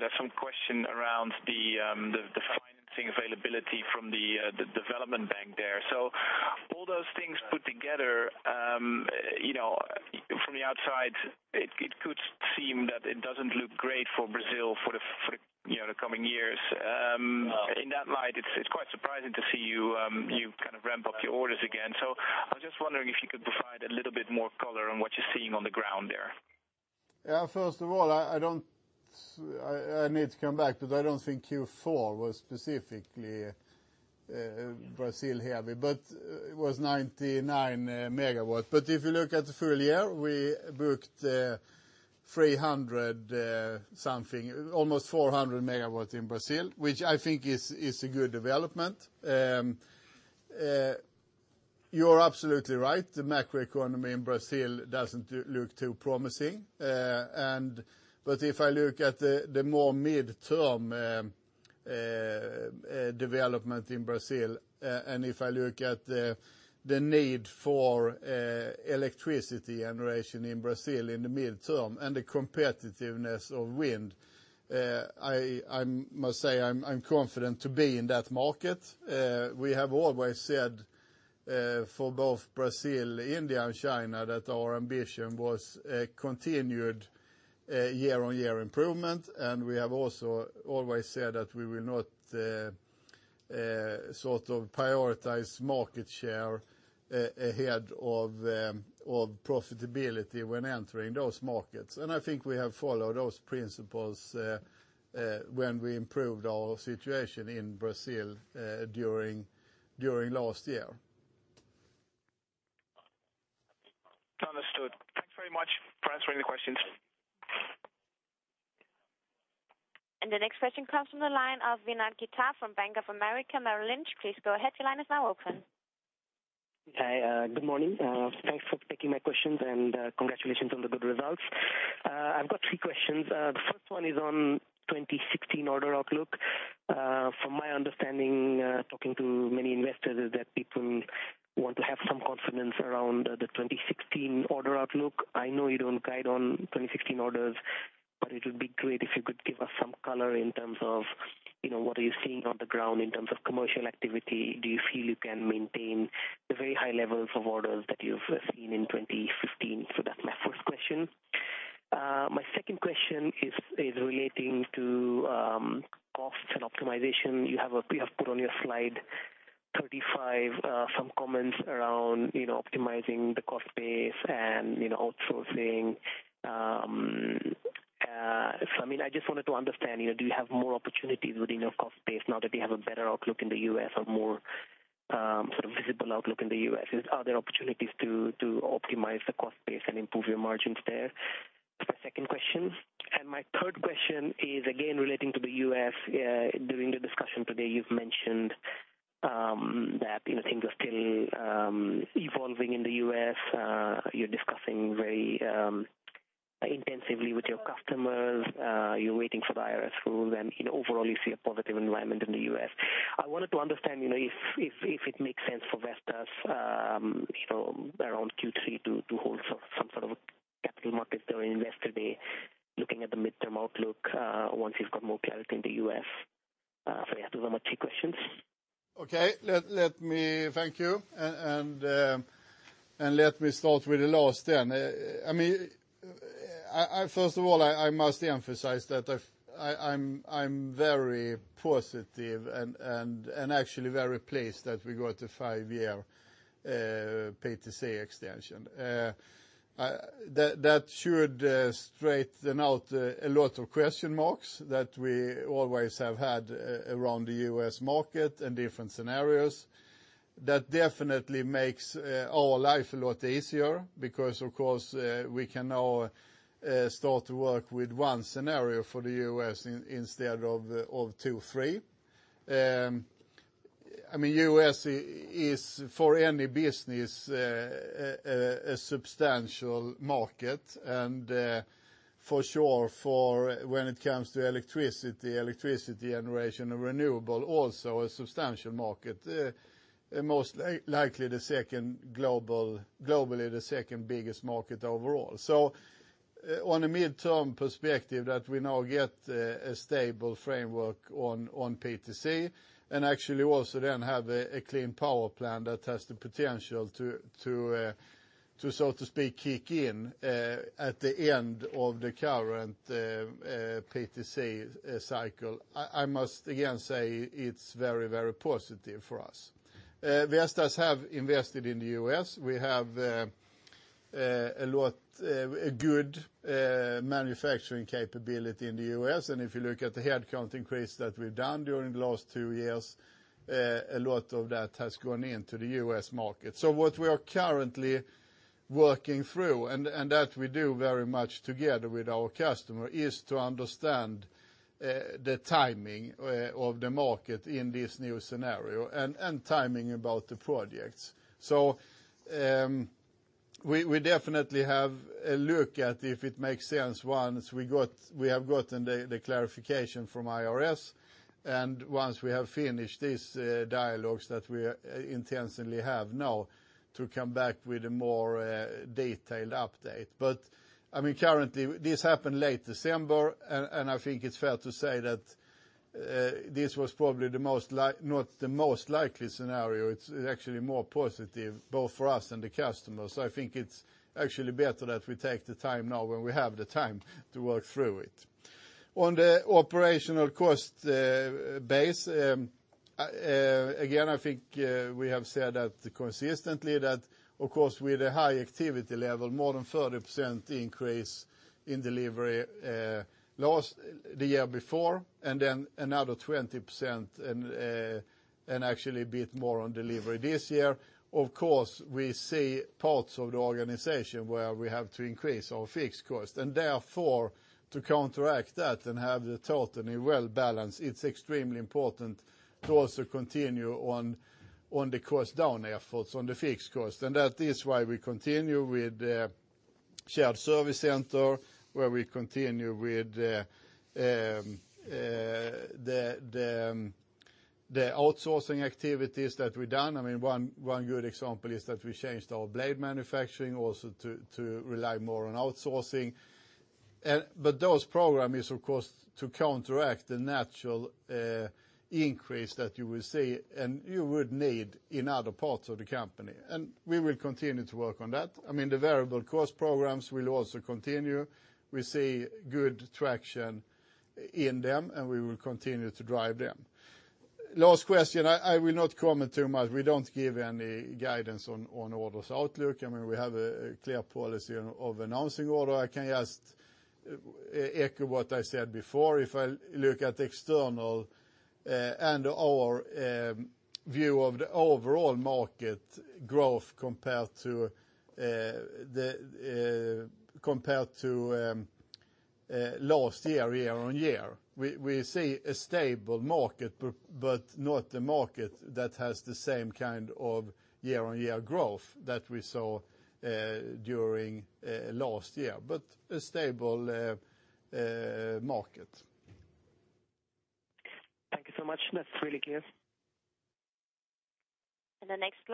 There's some question around the financing availability from the development bank there. All those things put together, from the outside, it could seem that it doesn't look great for Brazil for the coming years. In that light, it's quite surprising to see you kind of ramp up your orders again. I was just wondering if you could provide a little bit more color on what you're seeing on the ground there. Yeah. First of all, I need to come back, I don't think Q4 was specifically Brazil heavy, it was 99 megawatts. If you look at the full year, we booked 300 something, almost 400 megawatts in Brazil, which I think is a good development. You are absolutely right. The macroeconomy in Brazil doesn't look too promising. If I look at the more midterm development in Brazil, if I look at the need for electricity generation in Brazil in the midterm and the competitiveness of wind, I must say I'm confident to be in that market. We have always said for both Brazil, India, and China, that our ambition was continued year-on-year improvement. We have also always said that we will not prioritize market share ahead of profitability when entering those markets. I think we have followed those principles when we improved our situation in Brazil during last year. Understood. Thanks very much for answering the questions. The next question comes from the line of Vinay Kitab from Bank of America Merrill Lynch. Please go ahead. Your line is now open. Hi, good morning. Thanks for taking my questions, and congratulations on the good results. I have got three questions. The first one is on 2016 order outlook. From my understanding, talking to many investors, is that people want to have some confidence around the 2016 order outlook. I know you do not guide on 2016 orders, but it would be great if you could give us some color in terms of what are you seeing on the ground in terms of commercial activity. Do you feel you can maintain the very high levels of orders that you have seen in 2015? That is my first question. My second question is relating to costs and optimization. You have put on your slide 35 some comments around optimizing the cost base and outsourcing. I just wanted to understand, do you have more opportunities within your cost base now that you have a better outlook in the U.S. or more visible outlook in the U.S.? Are there opportunities to optimize the cost base and improve your margins there? That's my second question. My third question is again relating to the U.S. During the discussion today, you've mentioned that things are still evolving in the U.S. You're discussing very intensively with your customers. You're waiting for the IRS rules and overall you see a positive environment in the U.S. I wanted to understand if it makes sense for Vestas around Q3 to hold some sort of capital markets or Investor Day, looking at the midterm outlook, once you've got more clarity in the U.S. Yeah, those are my three questions. Okay. Thank you. Let me start with the last then. First of all, I must emphasize that I'm very positive and actually very pleased that we got a five-year PTC extension. That should straighten out a lot of question marks that we always have had around the U.S. market and different scenarios. That definitely makes our life a lot easier because, of course, we can now start to work with one scenario for the U.S. instead of two, three. The U.S. is, for any business, a substantial market, and for sure when it comes to electricity generation and renewable, also a substantial market. Most likely, globally the second biggest market overall. On a midterm perspective that we now get a stable framework on PTC and actually also then have a Clean Power Plan that has the potential to so to speak, kick in at the end of the current PTC cycle. I must again say it's very, very positive for us. Vestas have invested in the U.S. We have a good manufacturing capability in the U.S., and if you look at the headcount increase that we've done during the last two years, a lot of that has gone into the U.S. market. What we are currently working through, and that we do very much together with our customer, is to understand the timing of the market in this new scenario and timing about the projects. We definitely have a look at if it makes sense once we have gotten the clarification from IRS and once we have finished these dialogues that we intentionally have now to come back with a more detailed update. Currently, this happened late December, and I think it's fair to say that this was probably not the most likely scenario. It's actually more positive both for us and the customers. I think it's actually better that we take the time now when we have the time to work through it. On the operational cost base, again, I think we have said that consistently that, of course, with a high activity level, more than 30% increase in delivery the year before and then another 20% and actually a bit more on delivery this year. Of course, we see parts of the organization where we have to increase our fixed cost, therefore to counteract that and have the total well-balanced, it's extremely important to also continue on the cost down efforts on the fixed cost. That is why we continue with the shared service center, where we continue with the outsourcing activities that we done. One good example is that we changed our blade manufacturing also to rely more on outsourcing. Those program is, of course, to counteract the natural increase that you will see, and you would need in other parts of the company. We will continue to work on that. The variable cost programs will also continue. We see good traction in them, and we will continue to drive them. Last question, I will not comment too much. We don't give any guidance on orders outlook. We have a clear policy of announcing order. I can just echo what I said before. If I look at the external and our view of the overall market growth compared to last year-on-year, we see a stable market, but not the market that has the same kind of year-on-year growth that we saw during last year, but a stable market. Thank you so much. That's really clear. The next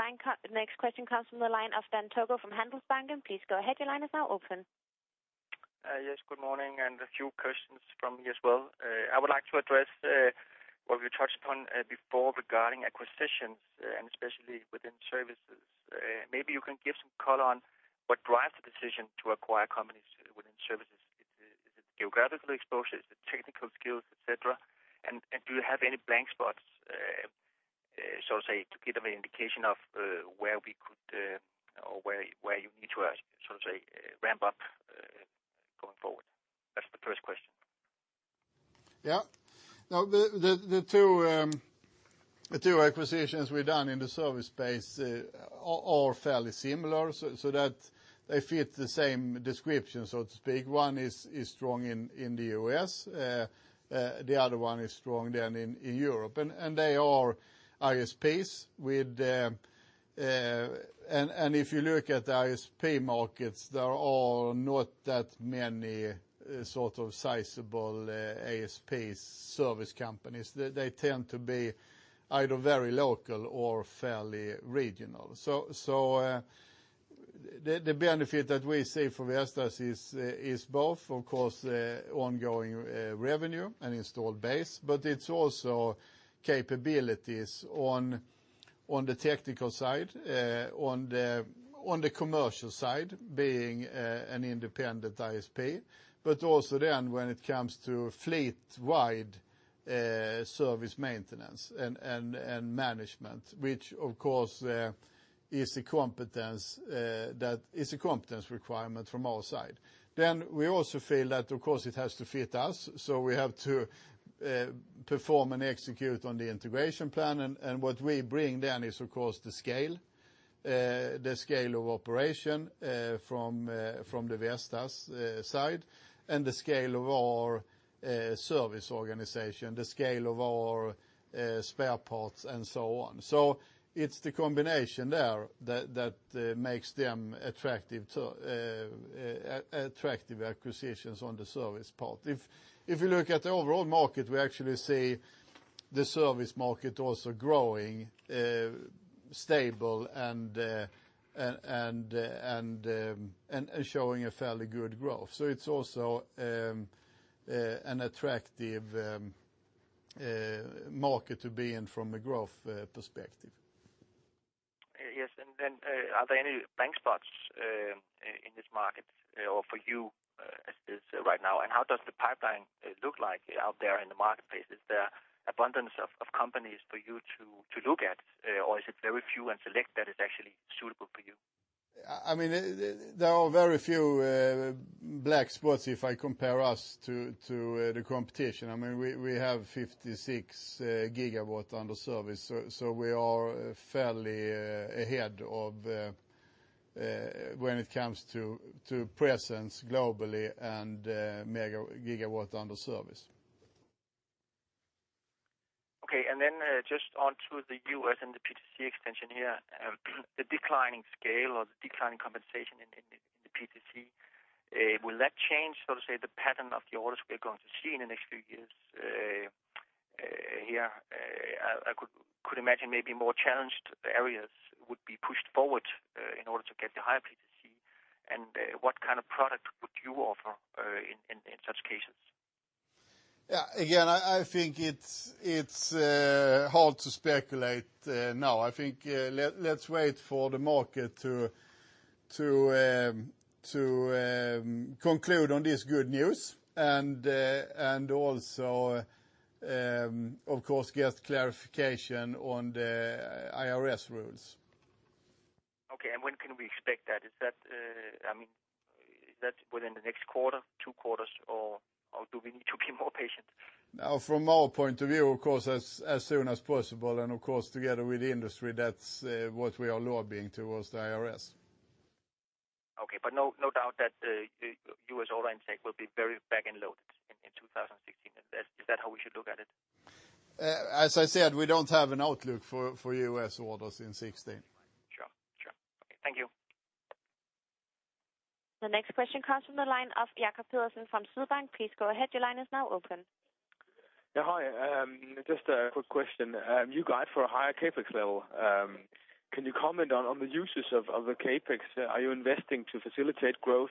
question comes from the line of Dan Togo from Handelsbanken. Please go ahead. Your line is now open. Yes, good morning. A few questions from me as well. I would like to address what we touched on before regarding acquisitions, especially within services. Maybe you can give some color on what drives the decision to acquire companies within services. Is it geographical exposure? Is it technical skills, et cetera? Do you have any blank spots, so to say, to give an indication of where you need to, so to say, ramp up going forward? That's the first question. Yeah. Now the two acquisitions we've done in the service space are fairly similar, so that they fit the same description, so to speak. One is strong in the U.S., the other one is strong then in Europe. They are ISPs. If you look at the ISP markets, there are not that many sizable ISP service companies. They tend to be either very local or fairly regional. The benefit that we see for Vestas is both, of course, the ongoing revenue and installed base, but it's also capabilities on the technical side, on the commercial side, being an independent ISP, but also then when it comes to fleet-wide service maintenance and management, which, of course, is a competence requirement from our side. We also feel that, of course, it has to fit us, so we have to perform and execute on the integration plan. What we bring then is, of course, the scale of operation from the Vestas side and the scale of our service organization, the scale of our spare parts and so on. It's the combination there that makes them attractive acquisitions on the service part. If you look at the overall market, we actually see the service market also growing stable and showing a fairly good growth. It's also an attractive market to be in from a growth perspective. Yes. Are there any blank spots in this market or for you right now? How does the pipeline look like out there in the marketplace? Is there abundance of companies for you to look at, or is it very few and select that is actually suitable for you? There are very few blank spots if I compare us to the competition. We have 56 gigawatts under service, so we are fairly ahead when it comes to presence globally and gigawatt under service. Okay, just onto the U.S. and the PTC extension here, the declining scale or the declining compensation in the PTC, will that change, so to say, the pattern of the orders we are going to see in the next few years here? I could imagine maybe more challenged areas would be pushed forward in order to get the higher PTC. What kind of product would you offer in such cases? Again, I think it's hard to speculate now. I think let's wait for the market to conclude on this good news and also, of course, get clarification on the IRS rules. Okay, when can we expect that? Is that within the next quarter, two quarters, or do we need to be more patient? From our point of view, of course, as soon as possible, of course, together with the industry, that's what we are lobbying towards the IRS. Okay, no doubt that U.S. order intake will be very back-end loaded in 2016. Is that how we should look at it? As I said, we don't have an outlook for U.S. orders in 2016. Sure. Okay. Thank you. The next question comes from the line of Jakob Wegge-Larsen from Sydbank. Please go ahead. Your line is now open. Yeah. Hi. Just a quick question. You guide for a higher CapEx level. Can you comment on the uses of the CapEx? Are you investing to facilitate growth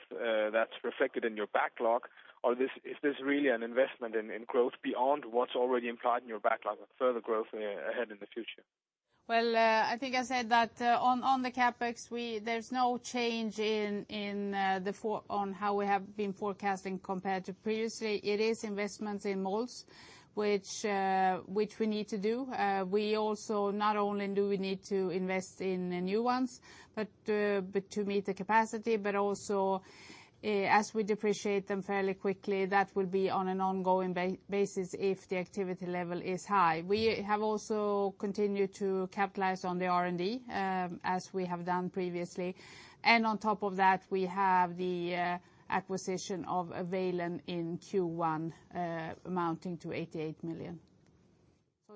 that's reflected in your backlog? Is this really an investment in growth beyond what's already implied in your backlog of further growth ahead in the future? Well, I think I said that on the CapEx, there's no change on how we have been forecasting compared to previously. It is investments in molds, which we need to do. Not only do we need to invest in new ones, but to meet the capacity, but also as we depreciate them fairly quickly, that will be on an ongoing basis if the activity level is high. We have also continued to capitalize on the R&D as we have done previously. On top of that, we have the acquisition of Availon in Q1, amounting to 88 million.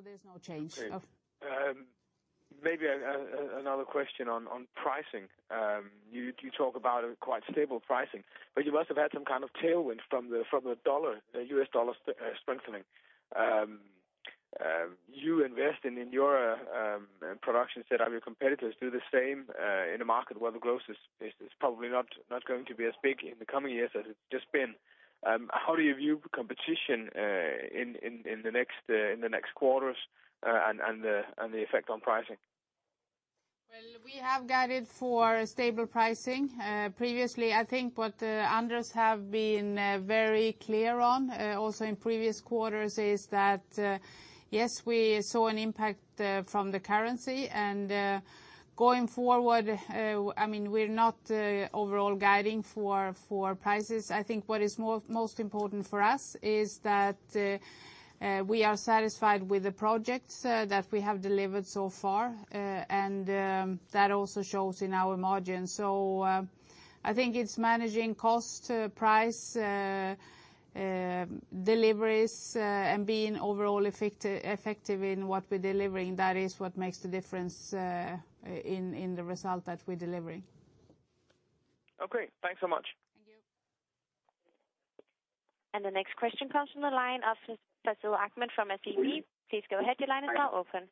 There's no change. Okay. Maybe another question on pricing. You talk about quite stable pricing, you must have had some kind of tailwind from the US dollar strengthening. You are investing in your production set, have your competitors do the same in a market where the growth is probably not going to be as big in the coming years as it's just been. How do you view competition in the next quarters and the effect on pricing? Well, we have guided for stable pricing. Previously, I think what Anders have been very clear on, also in previous quarters, is that, yes, we saw an impact from the currency. Going forward, we are not overall guiding for prices. I think what is most important for us is that we are satisfied with the projects that we have delivered so far, and that also shows in our margins. So I think it is managing cost, price, deliveries, and being overall effective in what we are delivering. That is what makes the difference in the result that we are delivering. Okay. Thanks so much. Thank you. The next question comes from the line of Fazal Ahmed from SEB. Please go ahead. Your line is now open.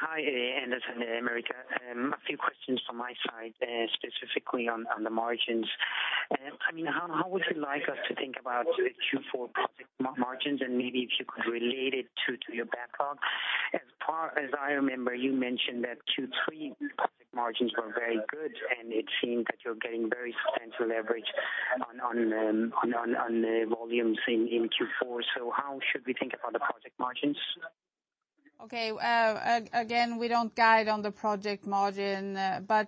Hi, Anders and Marika. A few questions from my side, specifically on the margins. How would you like us to think about the Q4 project margins and maybe if you could relate it to your backlog? As far as I remember, you mentioned that Q3 project margins were very good, and it seemed that you're getting very substantial leverage on the volumes in Q4. How should we think about the project margins? Again, we don't guide on the project margin.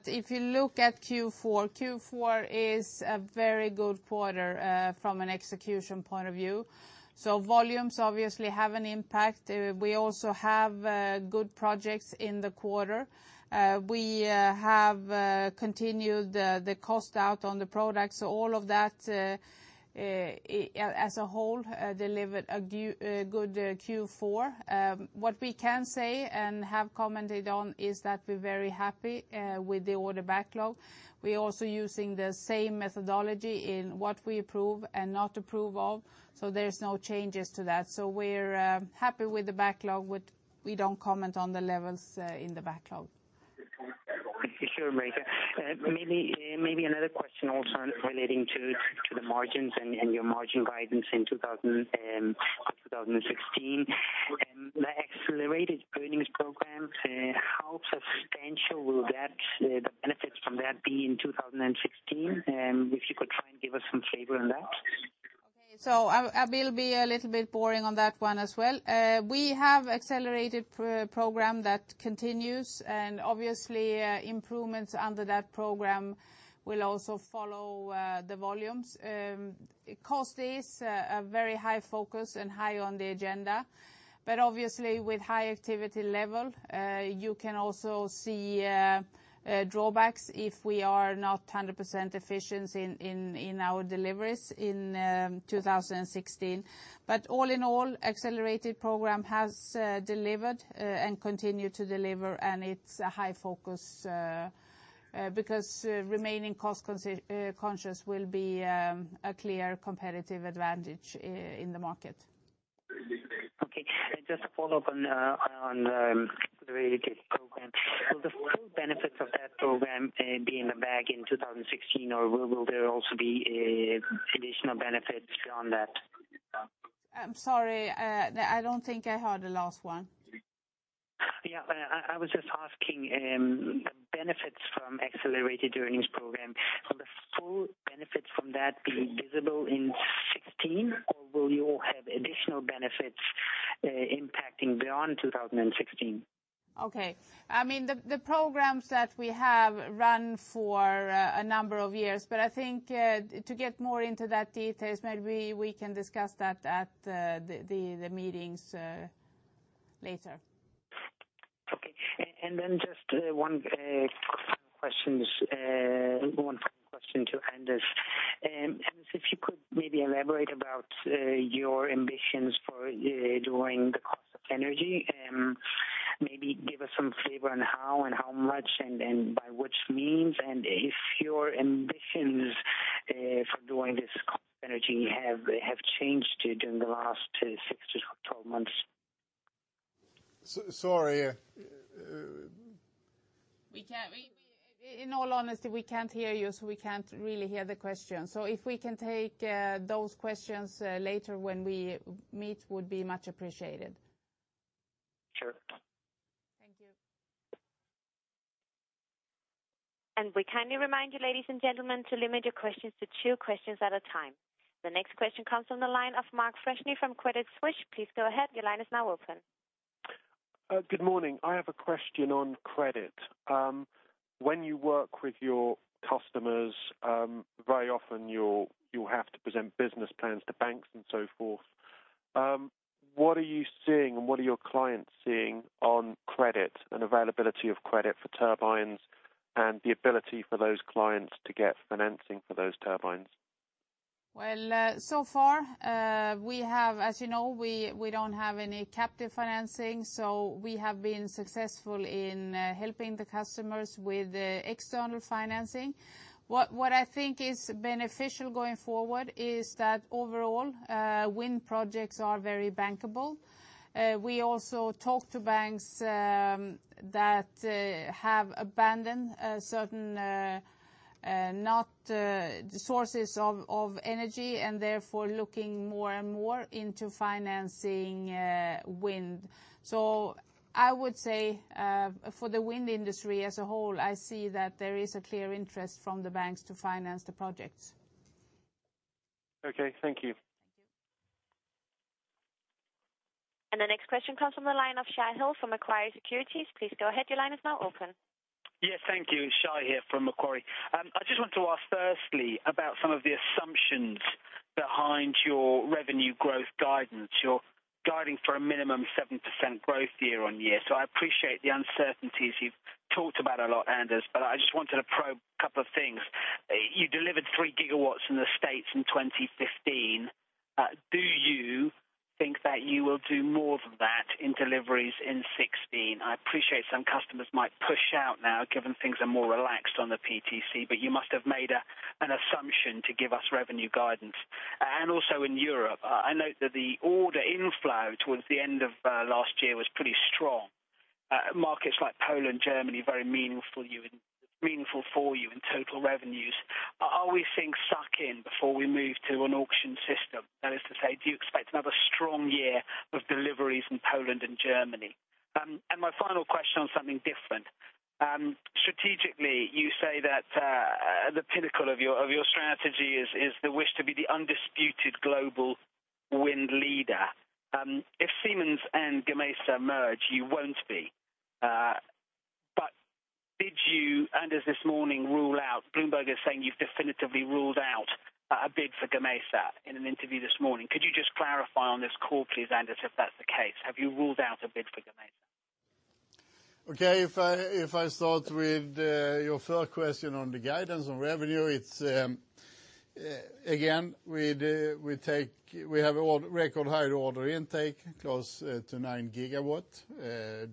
If you look at Q4 is a very good quarter from an execution point of view. Volumes obviously have an impact. We also have good projects in the quarter. We have continued the cost out on the products. All of that as a whole delivered a good Q4. What we can say and have commented on is that we're very happy with the order backlog. We're also using the same methodology in what we approve and not approve of, so there's no changes to that. We're happy with the backlog, but we don't comment on the levels in the backlog. Sure, Marika. Maybe another question also relating to the margins and your margin guidance in 2016. The Accelerated Earnings Programs, how substantial will the benefits from that be in 2016? If you could try and give us some flavor on that. I will be a little bit boring on that one as well. We have Accelerated Program that continues, and obviously improvements under that program will also follow the volumes. Cost is a very high focus and high on the agenda. Obviously with high activity level you can also see drawbacks if we are not 100% efficient in our deliveries in 2016. All in all, Accelerated Program has delivered and continue to deliver, and it's a high focus because remaining cost-conscious will be a clear competitive advantage in the market. Okay. Just to follow up on the accelerated program. Will the full benefits of that program be in the bag in 2016, or will there also be additional benefits beyond that? I'm sorry I don't think I heard the last one. Yeah, I was just asking the benefits from accelerated earnings program. Will the full benefits from that be visible in 2016, or will you have additional benefits impacting beyond 2016? Okay. The programs that we have run for a number of years, but I think to get more into that details, maybe we can discuss that at the meetings later. Okay. Just one final question to Anders. Anders, if you could maybe elaborate about your ambitions for doing [audio distortion] energy. Maybe give us some flavor on how and how much, and by which means, and if your ambitions for doing this [audio distortion] energy have changed during the last six to 12 months. Sorry. In all honesty, we can't hear you, so we can't really hear the question. If we can take those questions later when we meet, would be much appreciated. Sure. Thank you. We kindly remind you, ladies and gentlemen, to limit your questions to two questions at a time. The next question comes from the line of Mark Freshney from Credit Suisse. Please go ahead. Your line is now open. Good morning. I have a question on credit. When you work with your customers, very often you'll have to present business plans to banks and so forth. What are you seeing and what are your clients seeing on credit and availability of credit for turbines and the ability for those clients to get financing for those turbines? Well, so far, as you know, we don't have any captive financing, so we have been successful in helping the customers with external financing. What I think is beneficial going forward is that overall, wind projects are very bankable. We also talk to banks that have abandoned certain sources of energy and therefore looking more and more into financing wind. I would say, for the wind industry as a whole, I see that there is a clear interest from the banks to finance the projects. Okay, thank you. Thank you. The next question comes from the line of Shai Hill from Macquarie Securities. Please go ahead. Your line is now open. Yes, thank you. Shai here from Macquarie. I just want to ask firstly about some of the assumptions behind your revenue growth guidance. You're guiding for a minimum 7% growth year-on-year. I appreciate the uncertainties you've talked about a lot, Anders, but I just wanted to probe a couple of things. You delivered 3 gigawatts in the U.S. in 2015. Do you think that you will do more than that in deliveries in 2016? I appreciate some customers might push out now, given things are more relaxed on the PTC, but you must have made an assumption to give us revenue guidance. Also in Europe, I note that the order inflow towards the end of last year was pretty strong. Markets like Poland, Germany, very meaningful for you in total revenues. Are we seeing suck in before we move to an auction system? That is to say, do you expect another strong year of deliveries in Poland and Germany? My final question on something different. Strategically, you say that the pinnacle of your strategy is the wish to be the undisputed global wind leader. If Siemens and Gamesa merge, you won't be. Did you, Anders, this morning rule out, Bloomberg is saying you've definitively ruled out a bid for Gamesa in an interview this morning. Could you just clarify on this call, please, Anders, if that's the case? Have you ruled out a bid for Gamesa? If I start with your first question on the guidance on revenue, it's, again, we have a record high order intake, close to nine gigawatts,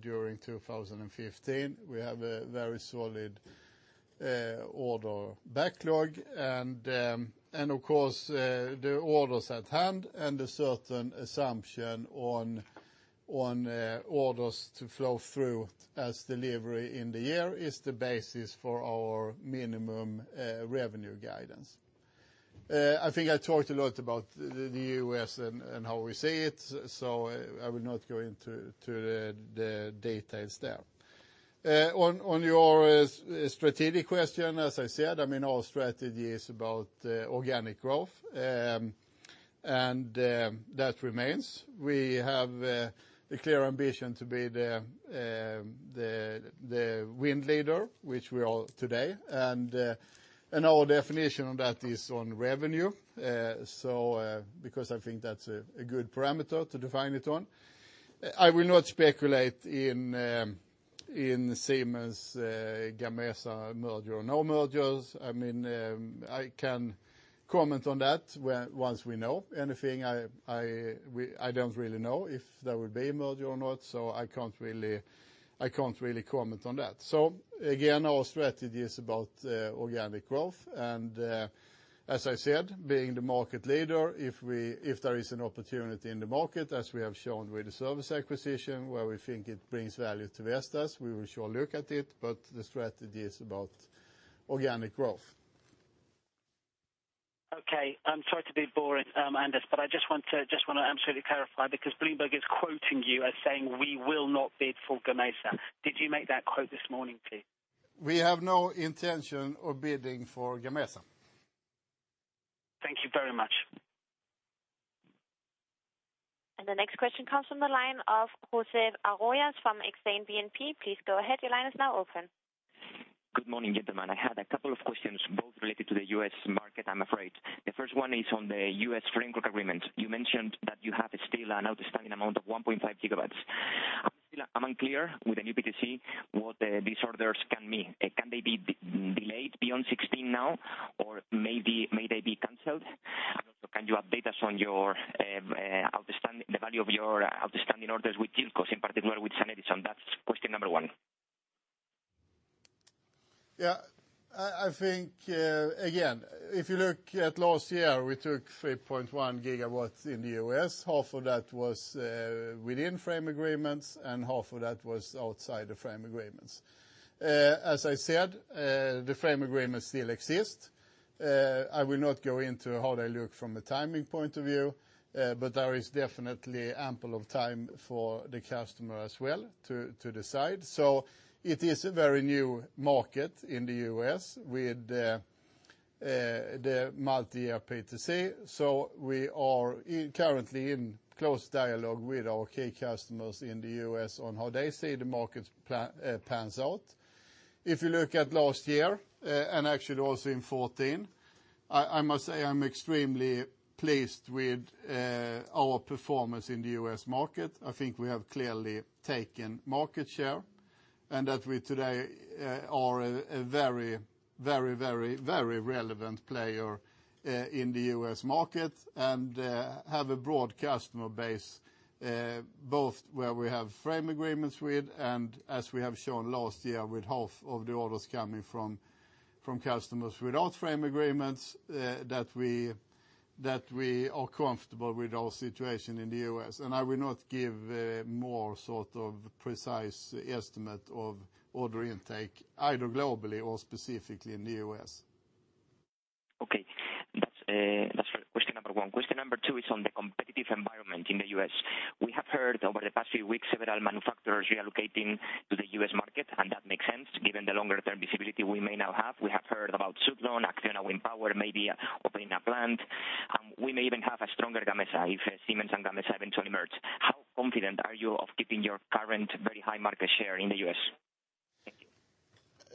during 2015. We have a very solid order backlog and, of course, the orders at hand and a certain assumption on orders to flow through as delivery in the year is the basis for our minimum revenue guidance. I think I talked a lot about the U.S. and how we see it, I will not go into the details there. On your strategic question, as I said, our strategy is about organic growth, and that remains. We have a clear ambition to be the wind leader, which we are today, and our definition of that is on revenue, because I think that's a good parameter to define it on. I will not speculate in the Siemens, Gamesa merger or no mergers. I can comment on that once we know anything. I don't really know if there will be a merger or not, I can't really comment on that. Again, our strategy is about organic growth and as I said, being the market leader, if there is an opportunity in the market, as we have shown with the service acquisition, where we think it brings value to Vestas, we will sure look at it, the strategy is about organic growth. I'm sorry to be boring, Anders, I just want to absolutely clarify, Bloomberg is quoting you as saying, "We will not bid for Gamesa." Did you make that quote this morning, please? We have no intention of bidding for Gamesa. Thank you very much. The next question comes from the line of José Arroyas from Exane BNP. Please go ahead. Your line is now open. Good morning, gentlemen. I had a couple of questions, both related to the U.S. market, I'm afraid. The first one is on the U.S. framework agreement. You mentioned that you still have an outstanding amount of 1.5 gigawatts. I'm still unclear with the new PTC what these orders can mean. Can they be delayed beyond 2016 now, or may they be canceled? Can you update us on the value of your outstanding orders with yieldcos, in particular with SunEdison? That's question number one. Yeah. I think, again, if you look at last year, we took 3.1 gigawatts in the U.S. Half of that was within frame agreements, and half of that was outside the frame agreements. As I said, the frame agreements still exist. I will not go into how they look from a timing point of view, but there is definitely ample of time for the customer as well to decide. It is a very new market in the U.S. with the multi-year PTC. We are currently in close dialogue with our key customers in the U.S. on how they see the market pans out. If you look at last year, and actually also in 2014, I'm extremely pleased with our performance in the U.S. market. I think we have clearly taken market share, that we today are a very relevant player in the U.S. market, and have a broad customer base, both where we have frame agreements with, and as we have shown last year, with half of the orders coming from customers without frame agreements, that we are comfortable with our situation in the U.S. I will not give more sort of precise estimate of order intake, either globally or specifically in the U.S. Okay. That's for question number 1. Question number 2 is on the competitive environment in the U.S. We have heard over the past few weeks, several manufacturers relocating to the U.S. market, and that makes sense given the longer term visibility we may now have. We have heard about Suzlon, Acciona Energía may be opening a plant. We may even have a stronger Gamesa if Siemens and Gamesa eventually merge. How confident are you of keeping your current very high market share in the U.S.? Thank you.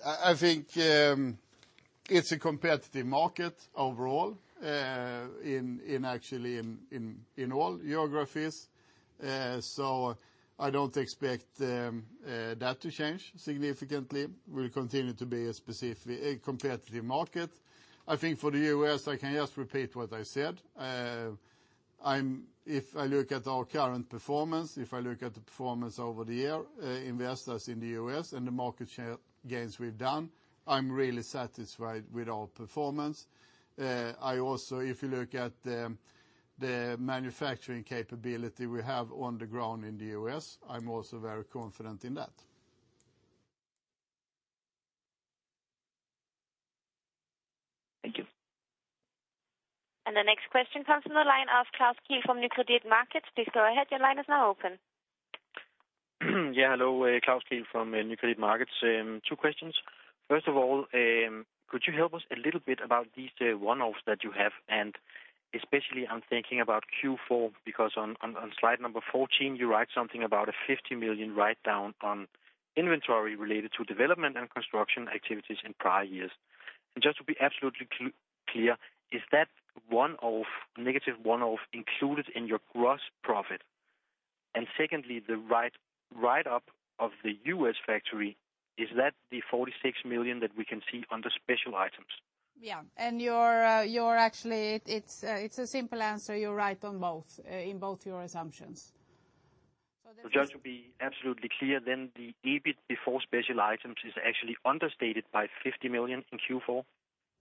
I think it's a competitive market overall, actually in all geographies. I don't expect that to change significantly, will continue to be a competitive market. I think for the U.S., I can just repeat what I said. If I look at our current performance, if I look at the performance over the year, Vestas in the U.S. and the market share gains we've done, I'm really satisfied with our performance. Also, if you look at the manufacturing capability we have on the ground in the U.S., I'm also very confident in that. Thank you. The next question comes from the line of Klaus Keel from Nykredit Markets. Please go ahead. Your line is now open. Yeah. Hello, Klaus Keel from Nykredit Markets. Two questions. First of all, could you help us a little bit about these one-offs that you have? Especially, I am thinking about Q4, because on slide number 14, you write something about a 50 million write-down on inventory related to development and construction activities in prior years. Just to be absolutely clear, is that negative one-off included in your gross profit? Secondly, the write-up of the U.S. factory, is that the 46 million that we can see under special items? Yeah. It is a simple answer. You are right in both your assumptions. Just to be absolutely clear then, the EBIT before special items is actually understated by 50 million in Q4?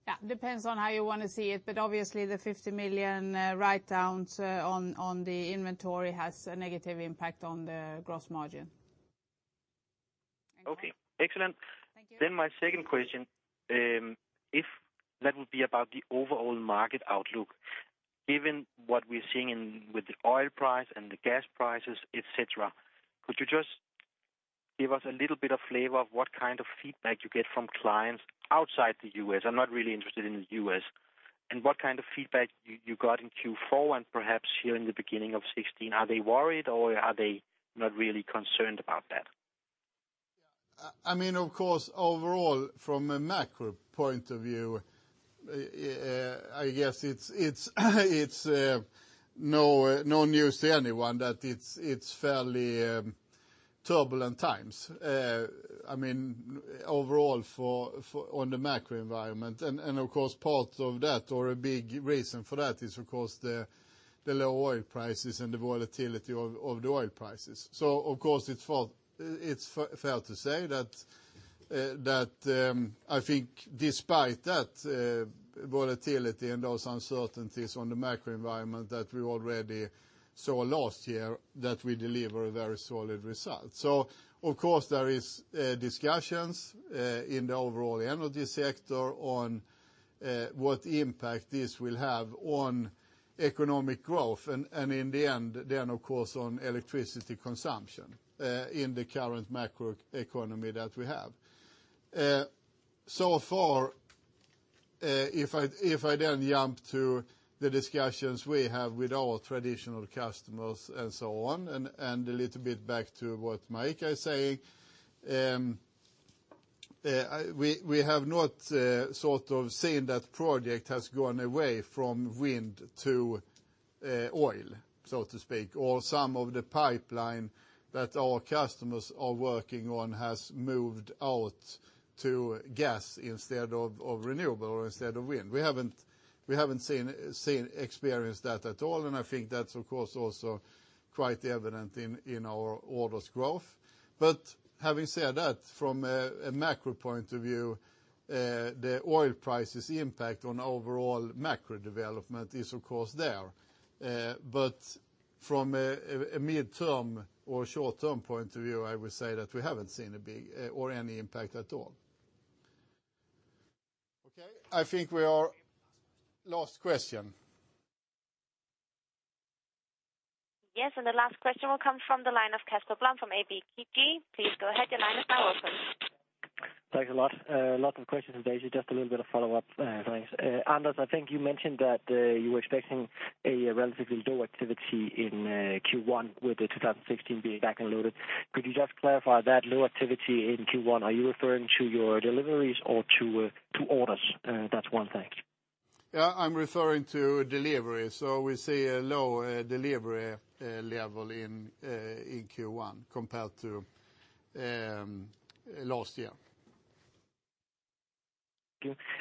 Yeah. Depends on how you want to see it, but obviously the 50 million write-downs on the inventory has a negative impact on the gross margin. Okay. Excellent. Thank you. My second question, that will be about the overall market outlook. Given what we're seeing with the oil price and the gas prices, et cetera, could you just give us a little bit of flavor of what kind of feedback you get from clients outside the U.S.? I'm not really interested in the U.S. What kind of feedback you got in Q4 and perhaps here in the beginning of 2016. Are they worried or are they not really concerned about that? Overall, from a macro point of view, I guess it's no news to anyone that it's fairly turbulent times. Overall on the macro environment. Of course, part of that or a big reason for that is, of course, the low oil prices and the volatility of the oil prices. Of course, it's fair to say that, I think despite that volatility and those uncertainties on the macro environment that we already saw last year, that we deliver a very solid result. Of course, there is discussions in the overall energy sector on what impact this will have on economic growth, and in the end, of course, on electricity consumption in the current macro economy that we have. Far, if I jump to the discussions we have with our traditional customers and so on, and a little bit back to what Marika is saying, we have not sort of seen that project has gone away from wind to oil, so to speak, or some of the pipeline that our customers are working on has moved out to gas instead of renewable or instead of wind. We haven't experienced that at all, and I think that's, of course, also quite evident in our orders growth. Having said that, from a macro point of view, the oil price's impact on overall macro development is, of course, there. From a midterm or short-term point of view, I would say that we haven't seen a big or any impact at all. Okay, I think we are last question. Yes, the last question will come from the line of Casper Blom from ABG. Please go ahead, your line is now open. Thanks a lot. Lots of questions today, just a little bit of follow-up, thanks. Anders, I think you mentioned that you were expecting a relatively low activity in Q1 with the 2016 being back-end loaded. Could you just clarify that low activity in Q1? Are you referring to your deliveries or to orders? That's one thing. Yeah, I'm referring to delivery. We see a low delivery level in Q1 compared to last year.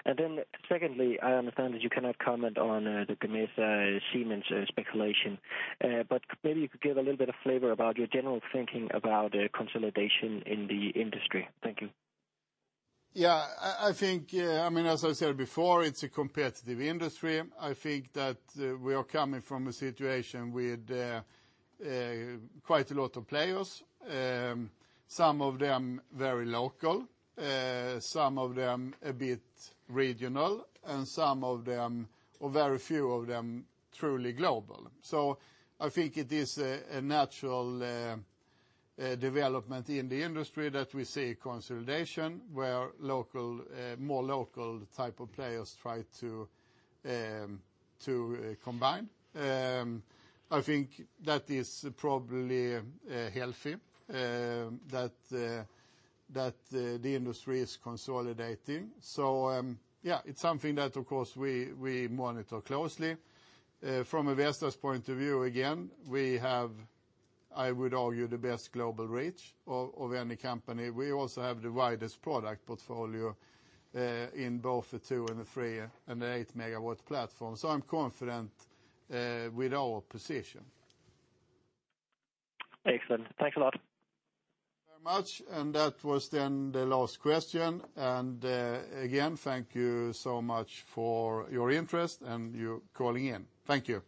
Thank you. Secondly, I understand that you cannot comment on the Gamesa Siemens speculation, maybe you could give a little bit of flavor about your general thinking about consolidation in the industry. Thank you. Yeah, as I said before, it's a competitive industry. I think that we are coming from a situation with quite a lot of players, some of them very local, some of them a bit regional, and some of them, or very few of them, truly global. I think it is a natural development in the industry that we see consolidation where more local type of players try to combine. I think that is probably healthy that the industry is consolidating. Yeah, it's something that, of course, we monitor closely. From a Vestas point of view, again, we have, I would argue, the best global reach of any company. We also have the widest product portfolio in both the 2 and the 3 and the 8 megawatt platform. I'm confident with our position. Excellent. Thanks a lot. Very much, that was then the last question. Again, thank you so much for your interest and you calling in. Thank you.